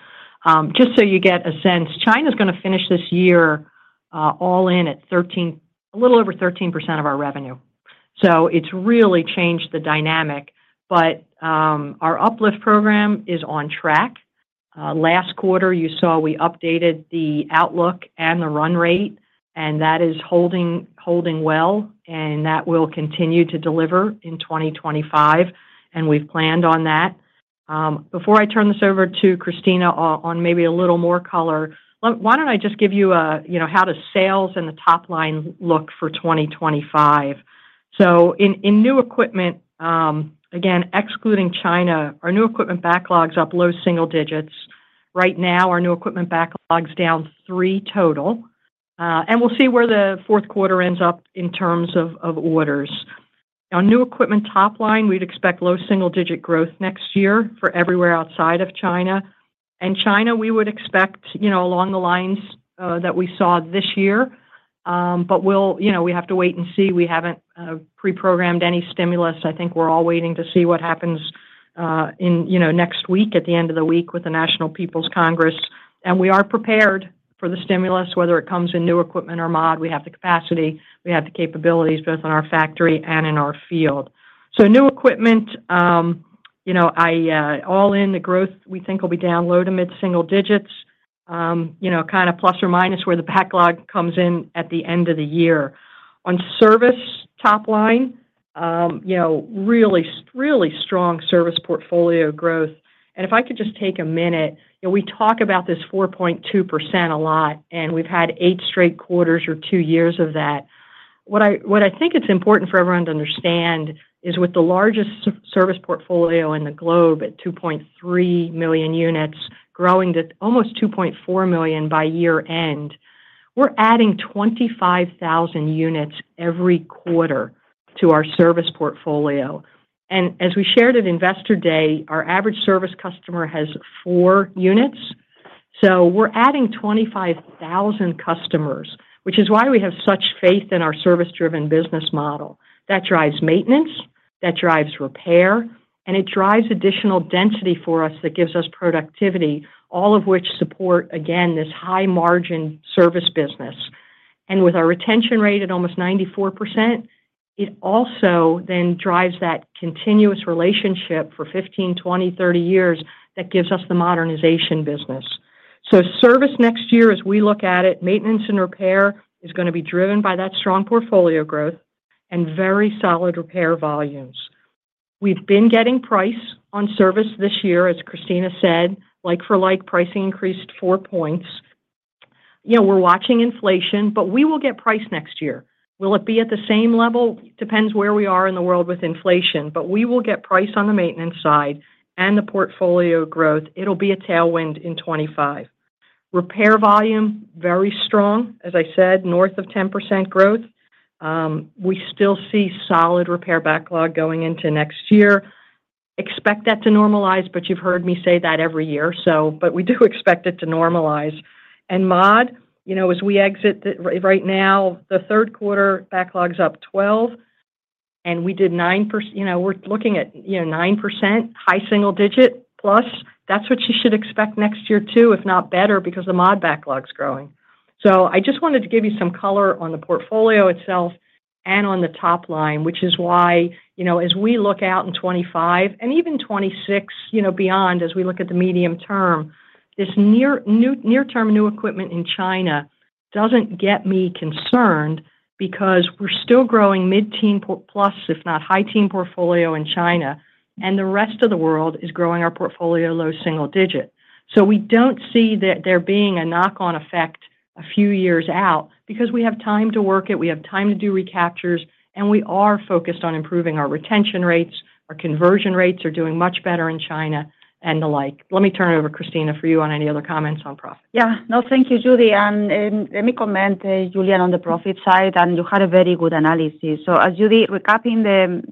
Just so you get a sense, China's going to finish this year all in at a little over 13% of our revenue. So it's really changed the dynamic. But our UpLift program is on track. Last quarter, you saw we updated the outlook and the run rate, and that is holding well, and that will continue to deliver in 2025, and we've planned on that. Before I turn this over to Cristina on maybe a little more color, why don't I just give you how does sales and the top line look for 2025? So in new equipment, again, excluding China, our new equipment backlog's up low single digits. Right now, our new equipment backlog's down three total. And we'll see where the fourth quarter ends up in terms of orders. On new equipment top line, we'd expect low single-digit growth next year for everywhere outside of China. And China, we would expect along the lines that we saw this year, but we have to wait and see. We haven't pre-programmed any stimulus. I think we're all waiting to see what happens next week at the end of the week with the National People's Congress. And we are prepared for the stimulus, whether it comes in new equipment or mod. We have the capacity. We have the capabilities both in our factory and in our field. So new equipment, all in, the growth we think will be down low to mid-single digits, kind of plus or minus where the backlog comes in at the end of the year. On service top line, really, really strong service portfolio growth. And if I could just take a minute, we talk about this 4.2% a lot, and we've had eight straight quarters or two years of that. What I think it's important for everyone to understand is with the largest service portfolio in the globe at 2.3 million units growing to almost 2.4 million by year-end, we're adding 25,000 units every quarter to our service portfolio. And as we shared at Investor Day, our average service customer has four units. So we're adding 25,000 customers, which is why we have such faith in our service-driven business model. That drives maintenance. That drives repair. It drives additional density for us that gives us productivity, all of which support, again, this high-margin service business. With our retention rate at almost 94%, it also then drives that continuous relationship for 15, 20, 30 years that gives us the modernization business. Service next year, as we look at it, maintenance and repair is going to be driven by that strong portfolio growth and very solid repair volumes. We've been getting price on service this year, as Cristina said, like-for-like pricing increased four points. We're watching inflation, but we will get price next year. Will it be at the same level? Depends where we are in the world with inflation, but we will get price on the maintenance side and the portfolio growth. It'll be a tailwind in 2025. Repair volume, very strong, as I said, north of 10% growth. We still see solid repair backlog going into next year. Expect that to normalize, but you've heard me say that every year, but we do expect it to normalize. And mod, as we exit right now, the third quarter backlog's up 12%, and we did 9%. We're looking at 9%, high single-digit plus. That's what you should expect next year too, if not better, because the mod backlog's growing. So I just wanted to give you some color on the portfolio itself and on the top line, which is why as we look out in 2025 and even 2026 beyond, as we look at the medium term, this near-term new equipment in China doesn't get me concerned because we're still growing mid-teen plus, if not high-teen portfolio in China, and the rest of the world is growing our portfolio low single digit. So we don't see there being a knock-on effect a few years out because we have time to work it. We have time to do recaptures, and we are focused on improving our retention rates. Our conversion rates are doing much better in China and the like. Let me turn it over, Cristina, for you on any other comments on profit. Yeah. No, thank you, Judy. And let me comment, Julian, on the profit side, and you had a very good analysis. So as Judy recapping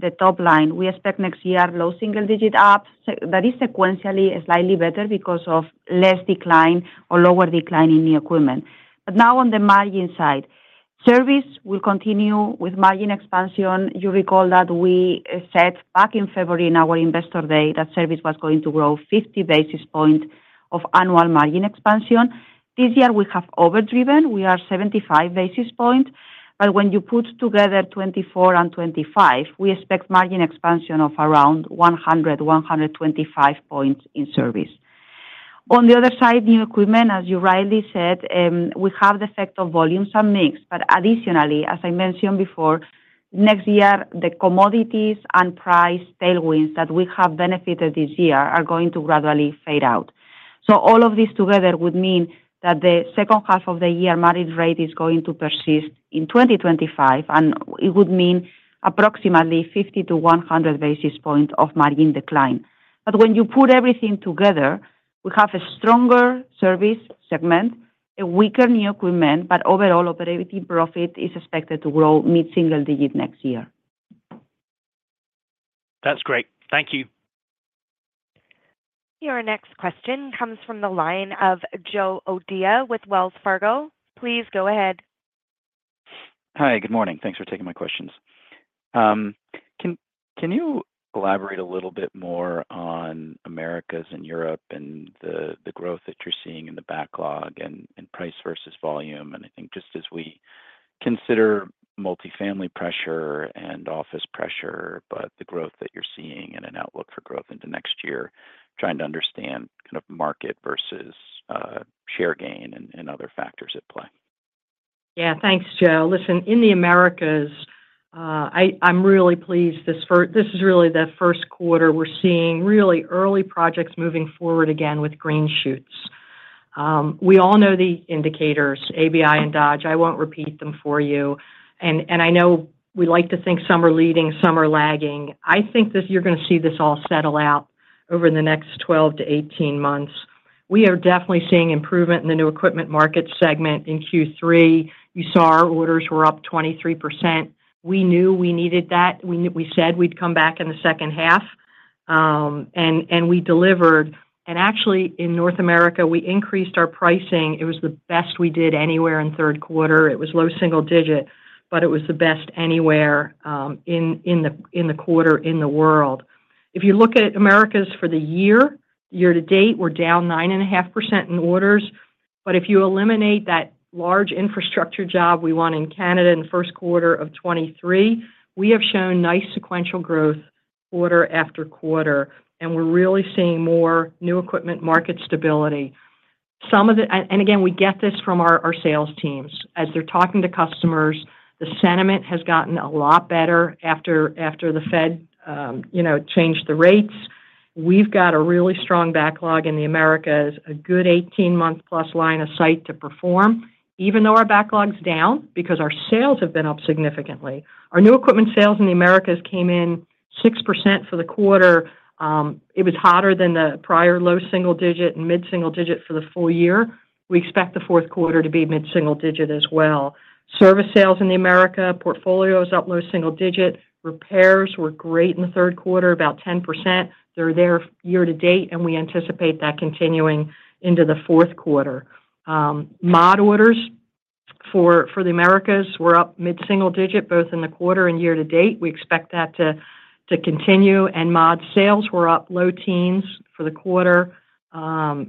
the top line, we expect next year low single-digit ups that is sequentially slightly better because of less decline or lower decline in new equipment. But now on the margin side, service will continue with margin expansion. You recall that we said back in February in our Investor Day that service was going to grow 50 basis points of annual margin expansion. This year, we have overdriven. We are 75 basis points. But when you put together 2024 and 2025, we expect margin expansion of around 100 points-125 points in service. On the other side, new equipment, as you rightly said, we have the effect of volumes and mix. But additionally, as I mentioned before, next year, the commodities and price tailwinds that we have benefited this year are going to gradually fade out. So all of this together would mean that the second half of the year margin rate is going to persist in 2025, and it would mean approximately 50 basis points-100 basis points of margin decline. But when you put everything together, we have a stronger service segment, a weaker new equipment, but overall, operating profit is expected to grow mid-single digit next year. That's great. Thank you. Your next question comes from the line of Joe O'Dea with Wells Fargo. Please go ahead. Hi, good morning. Thanks for taking my questions. Can you elaborate a little bit more on Americas and Europe and the growth that you're seeing in the backlog and price versus volume? And I think just as we consider multifamily pressure and office pressure, but the growth that you're seeing and an outlook for growth into next year, trying to understand kind of market versus share gain and other factors at play. Yeah, thanks, Joe. Listen, in the Americas, I'm really pleased. This is really the first quarter we're seeing really early projects moving forward again with green shoots. We all know the indicators, ABI and Dodge. I won't repeat them for you. And I know we like to think some are leading, some are lagging. I think that you're going to see this all settle out over the next 12 to 18 months. We are definitely seeing improvement in the new equipment market segment in Q3. You saw our orders were up 23%. We knew we needed that. We said we'd come back in the second half, and we delivered. And actually, in North America, we increased our pricing. It was the best we did anywhere in third quarter. It was low single digit, but it was the best anywhere in the quarter in the world. If you look at Americas for the year, year-to-date, we're down 9.5% in orders. But if you eliminate that large infrastructure job we won in Canada in the first quarter of 2023, we have shown nice sequential growth quarter after quarter, and we're really seeing more new equipment market stability. And again, we get this from our sales teams. As they're talking to customers, the sentiment has gotten a lot better after the Fed changed the rates. We've got a really strong backlog in the Americas, a good 18-month-plus line of sight to perform, even though our backlog's down because our sales have been up significantly. Our new equipment sales in the Americas came in 6% for the quarter. It was hotter than the prior low single digit and mid-single digit for the full year. We expect the fourth quarter to be mid-single digit as well. Service sales in the Americas, portfolio is up low single digit. Repairs were great in the third quarter, about 10%. They're up year-to-date, and we anticipate that continuing into the fourth quarter. Mod orders for the Americas were up mid-single digit, both in the quarter and year-to-date. We expect that to continue. Mod sales were up low teens for the quarter, and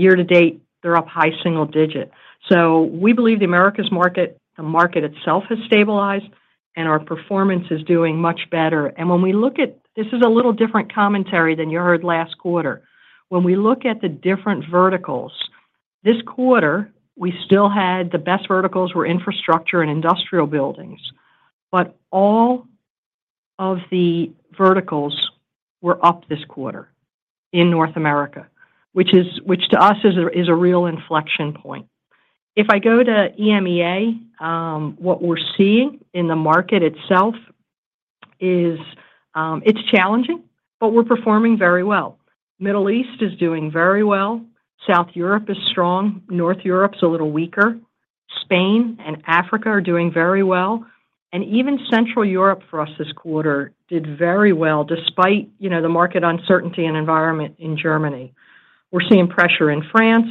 year-to-date, they're up high single digit. We believe the Americas market, the market itself has stabilized, and our performance is doing much better. When we look at this, it is a little different commentary than you heard last quarter. When we look at the different verticals this quarter, we still had the best verticals were infrastructure and industrial buildings, but all of the verticals were up this quarter in North America, which to us is a real inflection point. If I go to EMEA, what we're seeing in the market itself is it's challenging, but we're performing very well. Middle East is doing very well. South Europe is strong. North Europe's a little weaker. Spain and Africa are doing very well, and even Central Europe for us this quarter did very well despite the market uncertainty and environment in Germany. We're seeing pressure in France,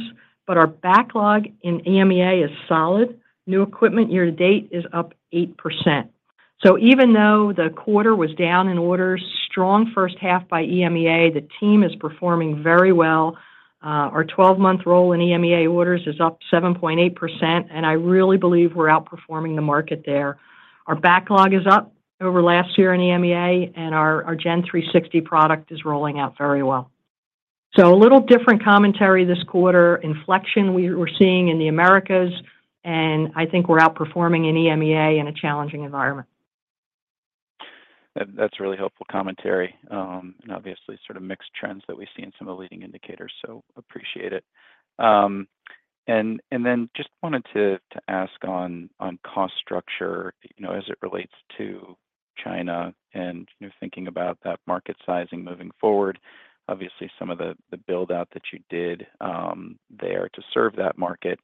but our backlog in EMEA is solid. New equipment year-to-date is up 8%. so even though the quarter was down in orders, strong first half by EMEA, the team is performing very well. Our 12-month rolling EMEA orders is up 7.8%, and I really believe we're outperforming the market there. Our backlog is up over last year in EMEA, and our Gen360 product is rolling out very well. So a little different commentary this quarter, inflection we were seeing in the Americas, and I think we're outperforming in EMEA in a challenging environment. That's really helpful commentary, and obviously sort of mixed trends that we see in some of the leading indicators, so appreciate it, and then just wanted to ask on cost structure as it relates to China and thinking about that market sizing moving forward. Obviously, some of the build-out that you did there to serve that market,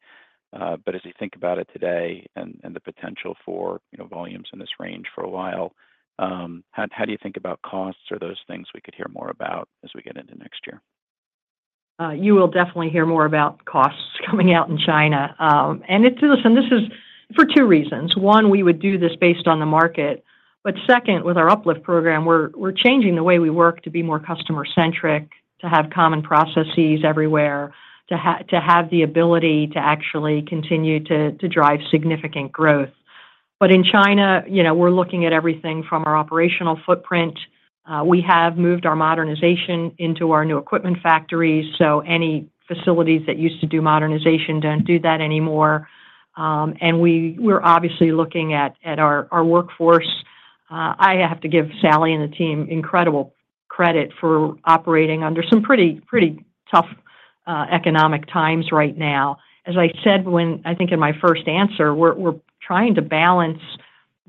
but as you think about it today and the potential for volumes in this range for a while, how do you think about costs or those things we could hear more about as we get into next year? You will definitely hear more about costs coming out in China, and listen, this is for two reasons. One, we would do this based on the market. But second, with our UpLift program, we're changing the way we work to be more customer-centric, to have common processes everywhere, to have the ability to actually continue to drive significant growth, but in China, we're looking at everything from our operational footprint. We have moved our modernization into our new equipment factories. So any facilities that used to do modernization don't do that anymore, and we're obviously looking at our workforce. I have to give Sally and the team incredible credit for operating under some pretty tough economic times right now. As I said, I think in my first answer, we're trying to balance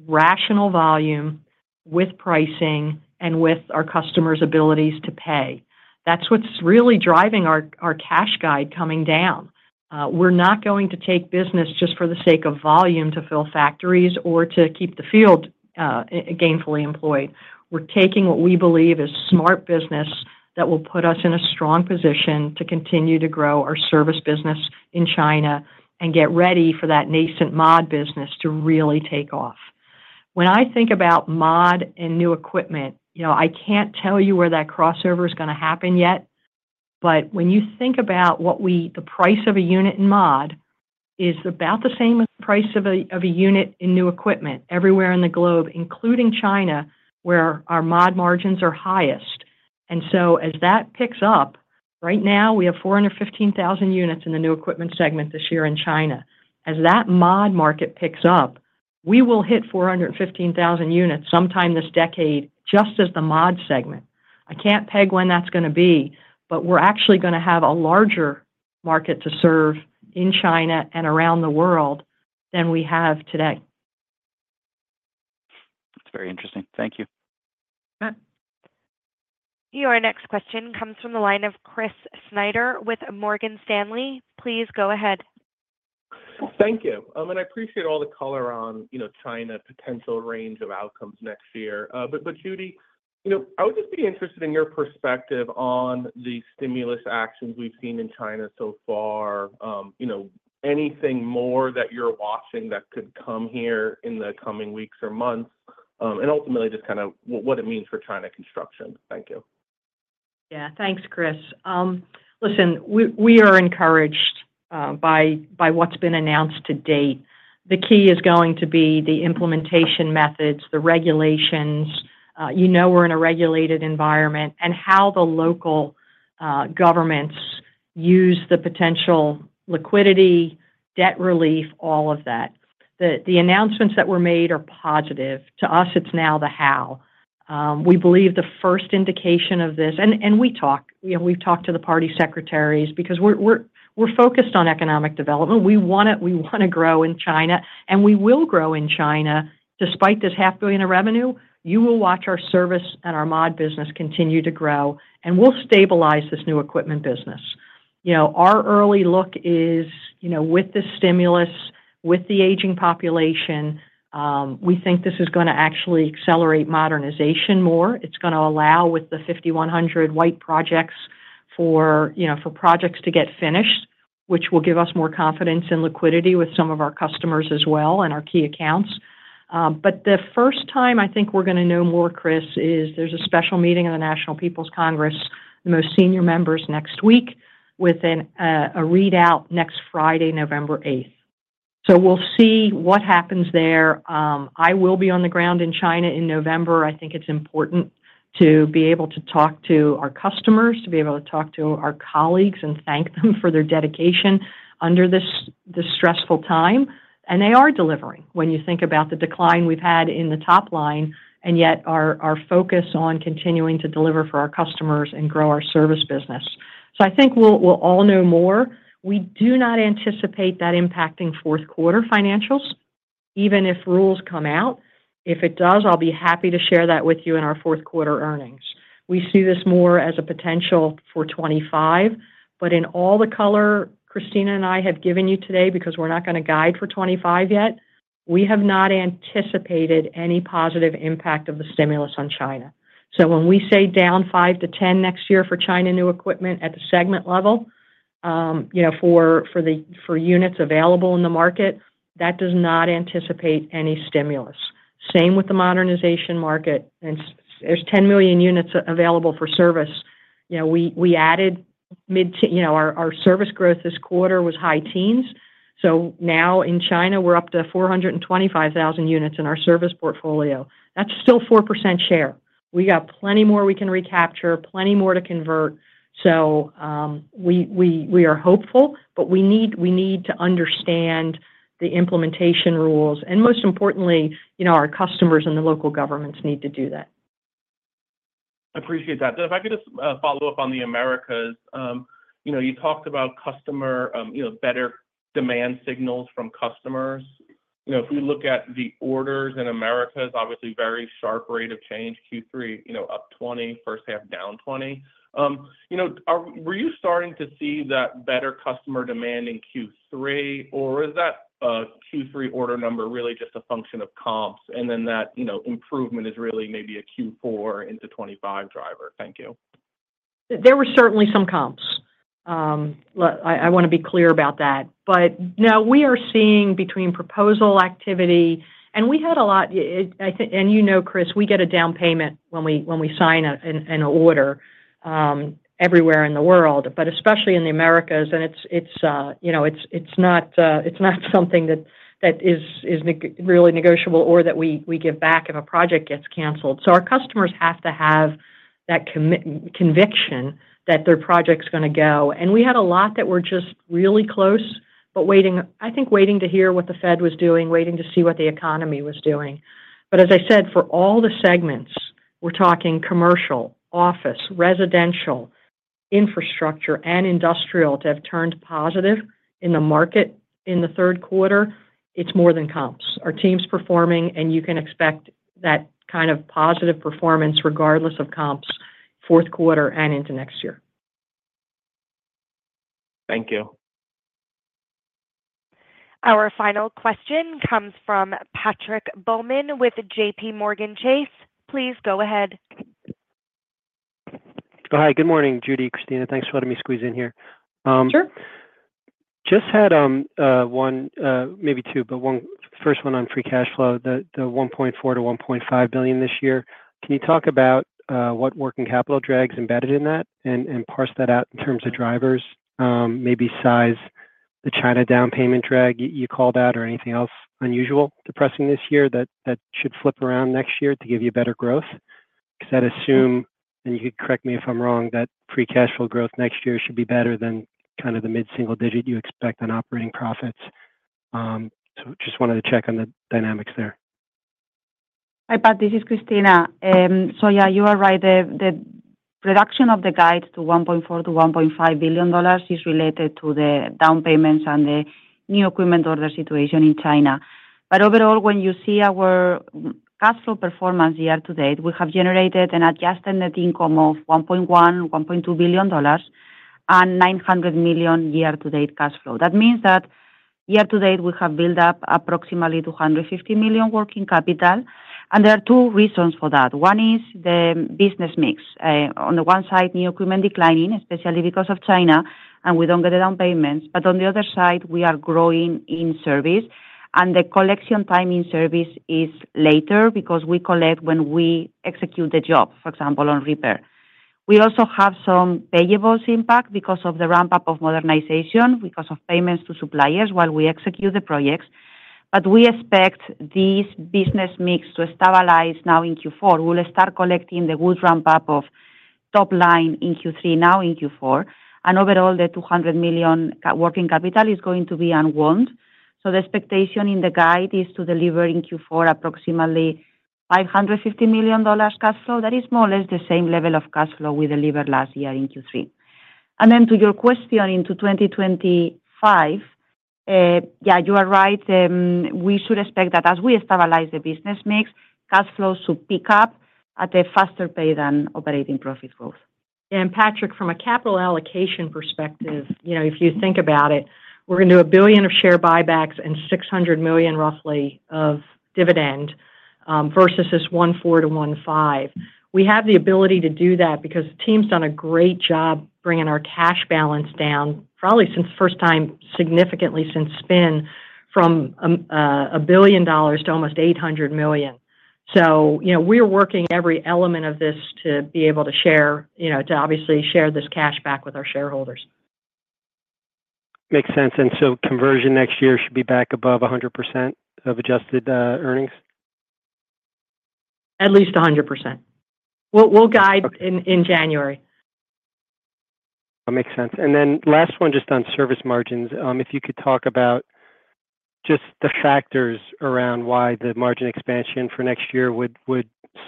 rational volume with pricing and with our customers' abilities to pay. That's what's really driving our cash guide coming down. We're not going to take business just for the sake of volume to fill factories or to keep the field gainfully employed. We're taking what we believe is smart business that will put us in a strong position to continue to grow our service business in China and get ready for that nascent mod business to really take off. When I think about mod and new equipment, I can't tell you where that crossover is going to happen yet, but when you think about what the price of a unit in mod is, it's about the same as the price of a unit in new equipment everywhere in the globe, including China, where our mod margins are highest. And so as that picks up, right now we have 415,000 units in the new equipment segment this year in China. As that mod market picks up, we will hit 415,000 units sometime this decade, just as the mod segment. I can't peg when that's going to be, but we're actually going to have a larger market to serve in China and around the world than we have today. That's very interesting. Thank you. Your next question comes from the line of Chris Snyder with Morgan Stanley. Please go ahead. Thank you. And I appreciate all the color on China's potential range of outcomes next year. But Judy, I would just be interested in your perspective on the stimulus actions we've seen in China so far. Anything more that you're watching that could come here in the coming weeks or months? And ultimately, just kind of what it means for China construction. Thank you. Yeah, thanks, Chris. Listen, we are encouraged by what's been announced to date. The key is going to be the implementation methods, the regulations. You know we're in a regulated environment and how the local governments use the potential liquidity, debt relief, all of that. The announcements that were made are positive. To us, it's now the how. We believe the first indication of this, and we talked to the party secretaries because we're focused on economic development. We want to grow in China, and we will grow in China. Despite this $500 million of revenue, you will watch our service and our mod business continue to grow, and we'll stabilize this new equipment business. Our early look is with the stimulus, with the aging population, we think this is going to actually accelerate modernization more. It's going to allow with the 5,100 white-list projects to get finished, which will give us more confidence in liquidity with some of our customers as well and our key accounts. But the first time I think we're going to know more, Chris, is there's a special meeting of the National People's Congress, the most senior members next week, with a readout next Friday, November 8th. So we'll see what happens there. I will be on the ground in China in November. I think it's important to be able to talk to our customers, to be able to talk to our colleagues and thank them for their dedication under this stressful time. And they are delivering when you think about the decline we've had in the top line, and yet our focus on continuing to deliver for our customers and grow our service business. So I think we'll all know more. We do not anticipate that impacting fourth quarter financials, even if rules come out. If it does, I'll be happy to share that with you in our fourth quarter earnings. We see this more as a potential for 2025, but in all the color Cristina and I have given you today, because we're not going to guide for 2025 yet, we have not anticipated any positive impact of the stimulus on China. So when we say down 5%-10% next year for China new equipment at the segment level for units available in the market, that does not anticipate any stimulus. Same with the modernization market. There's 10 million units available for service. We added. Our service growth this quarter was high teens. So now in China, we're up to 425,000 units in our service portfolio. That's still 4% share. We got plenty more we can recapture, plenty more to convert. So we are hopeful, but we need to understand the implementation rules. And most importantly, our customers and the local governments need to do that. I appreciate that, and if I could just follow up on the Americas, you talked about customer better demand signals from customers. If we look at the orders in Americas, obviously very sharp rate of change, Q3 up 20%, first half down 20%. Were you starting to see that better customer demand in Q3, or was that Q3 order number really just a function of comps and then that improvement is really maybe a Q4 into 2025 driver? Thank you. There were certainly some comps. I want to be clear about that. But no, we are seeing between proposal activity, and we had a lot, and you know, Chris, we get a down payment when we sign an order everywhere in the world, but especially in the Americas. And it's not something that is really negotiable or that we give back if a project gets canceled. So our customers have to have that conviction that their project's going to go. And we had a lot that were just really close, but I think waiting to hear what the Fed was doing, waiting to see what the economy was doing. But as I said, for all the segments, we're talking commercial, office, residential, infrastructure, and industrial to have turned positive in the market in the third quarter. It's more than comps. Our team's performing, and you can expect that kind of positive performance regardless of comps fourth quarter and into next year. Thank you. Our final question comes from Patrick Baumann with JPMorgan Chase. Please go ahead. Hi, good morning, Judy, Cristina. Thanks for letting me squeeze in here. Sure. Just had one, maybe two, but one first one on free cash flow, the $1.4 billion-$1.5 billion this year. Can you talk about what working capital drags embedded in that and parse that out in terms of drivers, maybe size, the China down payment drag you call that, or anything else unusual, depressing this year that should flip around next year to give you better growth? Because I'd assume, and you could correct me if I'm wrong, that free cash flow growth next year should be better than kind of the mid-single digit you expect on operating profits. So just wanted to check on the dynamics there. Hi, Pat. This is Cristina. Yeah, you are right. The reduction of the guides to $1.4 billion-$1.5 billion is related to the down payments and the new equipment order situation in China. But overall, when you see our cash flow performance year to date, we have generated an adjusted net income of $1.1 billion-$1.2 billion and $900 million year to date cash flow. That means that year to date, we have built up approximately $250 million working capital. There are two reasons for that. One is the business mix. On the one side, new equipment declining, especially because of China, and we don't get the down payments. On the other side, we are growing in service, and the collection time in service is later because we collect when we execute the job, for example, on repair. We also have some payables impact because of the ramp-up of modernization, because of payments to suppliers while we execute the projects, but we expect this business mix to stabilize now in Q4. We'll start collecting the good ramp-up of top line in Q3, now in Q4, and overall, the $200 million working capital is going to be unwound, so the expectation in the guide is to deliver in Q4 approximately $550 million cash flow. That is more or less the same level of cash flow we delivered last year in Q3, and then to your question into 2025, yeah, you are right. We should expect that as we stabilize the business mix, cash flows should pick up at a faster pace than operating profit growth. Patrick, from a capital allocation perspective, if you think about it, we're going to do $1 billion of share buybacks and roughly $600 million of dividend versus this $1.4 billion-$1.5 billion. We have the ability to do that because the team's done a great job bringing our cash balance down, probably since first time significantly since spin from $1 billion to almost $800 million. We're working every element of this to be able to share, to obviously share this cash back with our shareholders. Makes sense. And so conversion next year should be back above 100% of adjusted earnings? At least 100%. We'll guide in January. That makes sense. And then last one, just on service margins, if you could talk about just the factors around why the margin expansion for next year would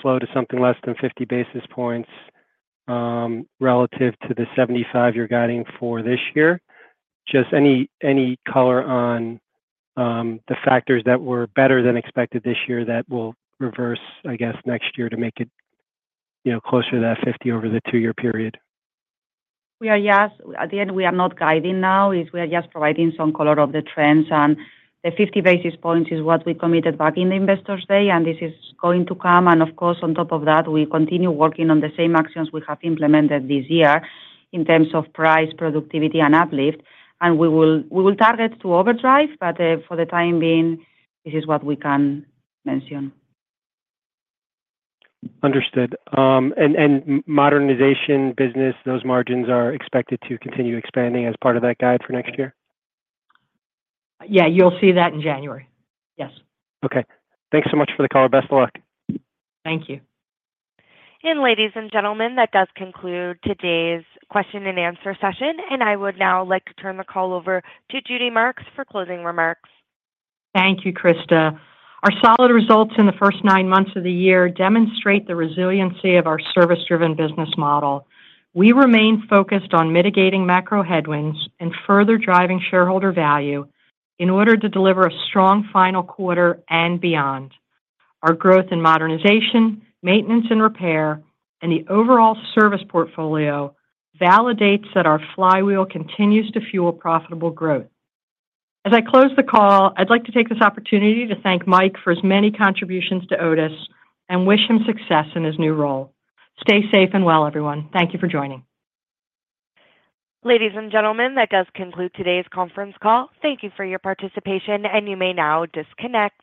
slow to something less than 50 basis points relative to the 75 basis points you're guiding for this year. Just any color on the factors that were better than expected this year that will reverse, I guess, next year to make it closer to that 50 over the two-year period? We are, yes. At the end, we are not guiding now. We are just providing some color of the trends. The 50 basis points is what we committed back in the Investor's Day, and this is going to come. Of course, on top of that, we continue working on the same actions we have implemented this year in terms of price, productivity, and UpLift. We will target to overdrive, but for the time being, this is what we can mention. Understood. And modernization business, those margins are expected to continue expanding as part of that guide for next year? Yeah, you'll see that in January. Yes. Okay. Thanks so much for the call. Best of luck. Thank you. Ladies and gentlemen, that does conclude today's question and answer session. I would now like to turn the call over to Judy Marks for closing remarks. Thank you, Krista. Our solid results in the first nine months of the year demonstrate the resiliency of our service-driven business model. We remain focused on mitigating macro headwinds and further driving shareholder value in order to deliver a strong final quarter and beyond. Our growth in modernization, maintenance, and repair, and the overall service portfolio validates that our flywheel continues to fuel profitable growth. As I close the call, I'd like to take this opportunity to thank Mike for his many contributions to Otis and wish him success in his new role. Stay safe and well, everyone. Thank you for joining. Ladies and gentlemen, that does conclude today's conference call. Thank you for your participation, and you may now disconnect.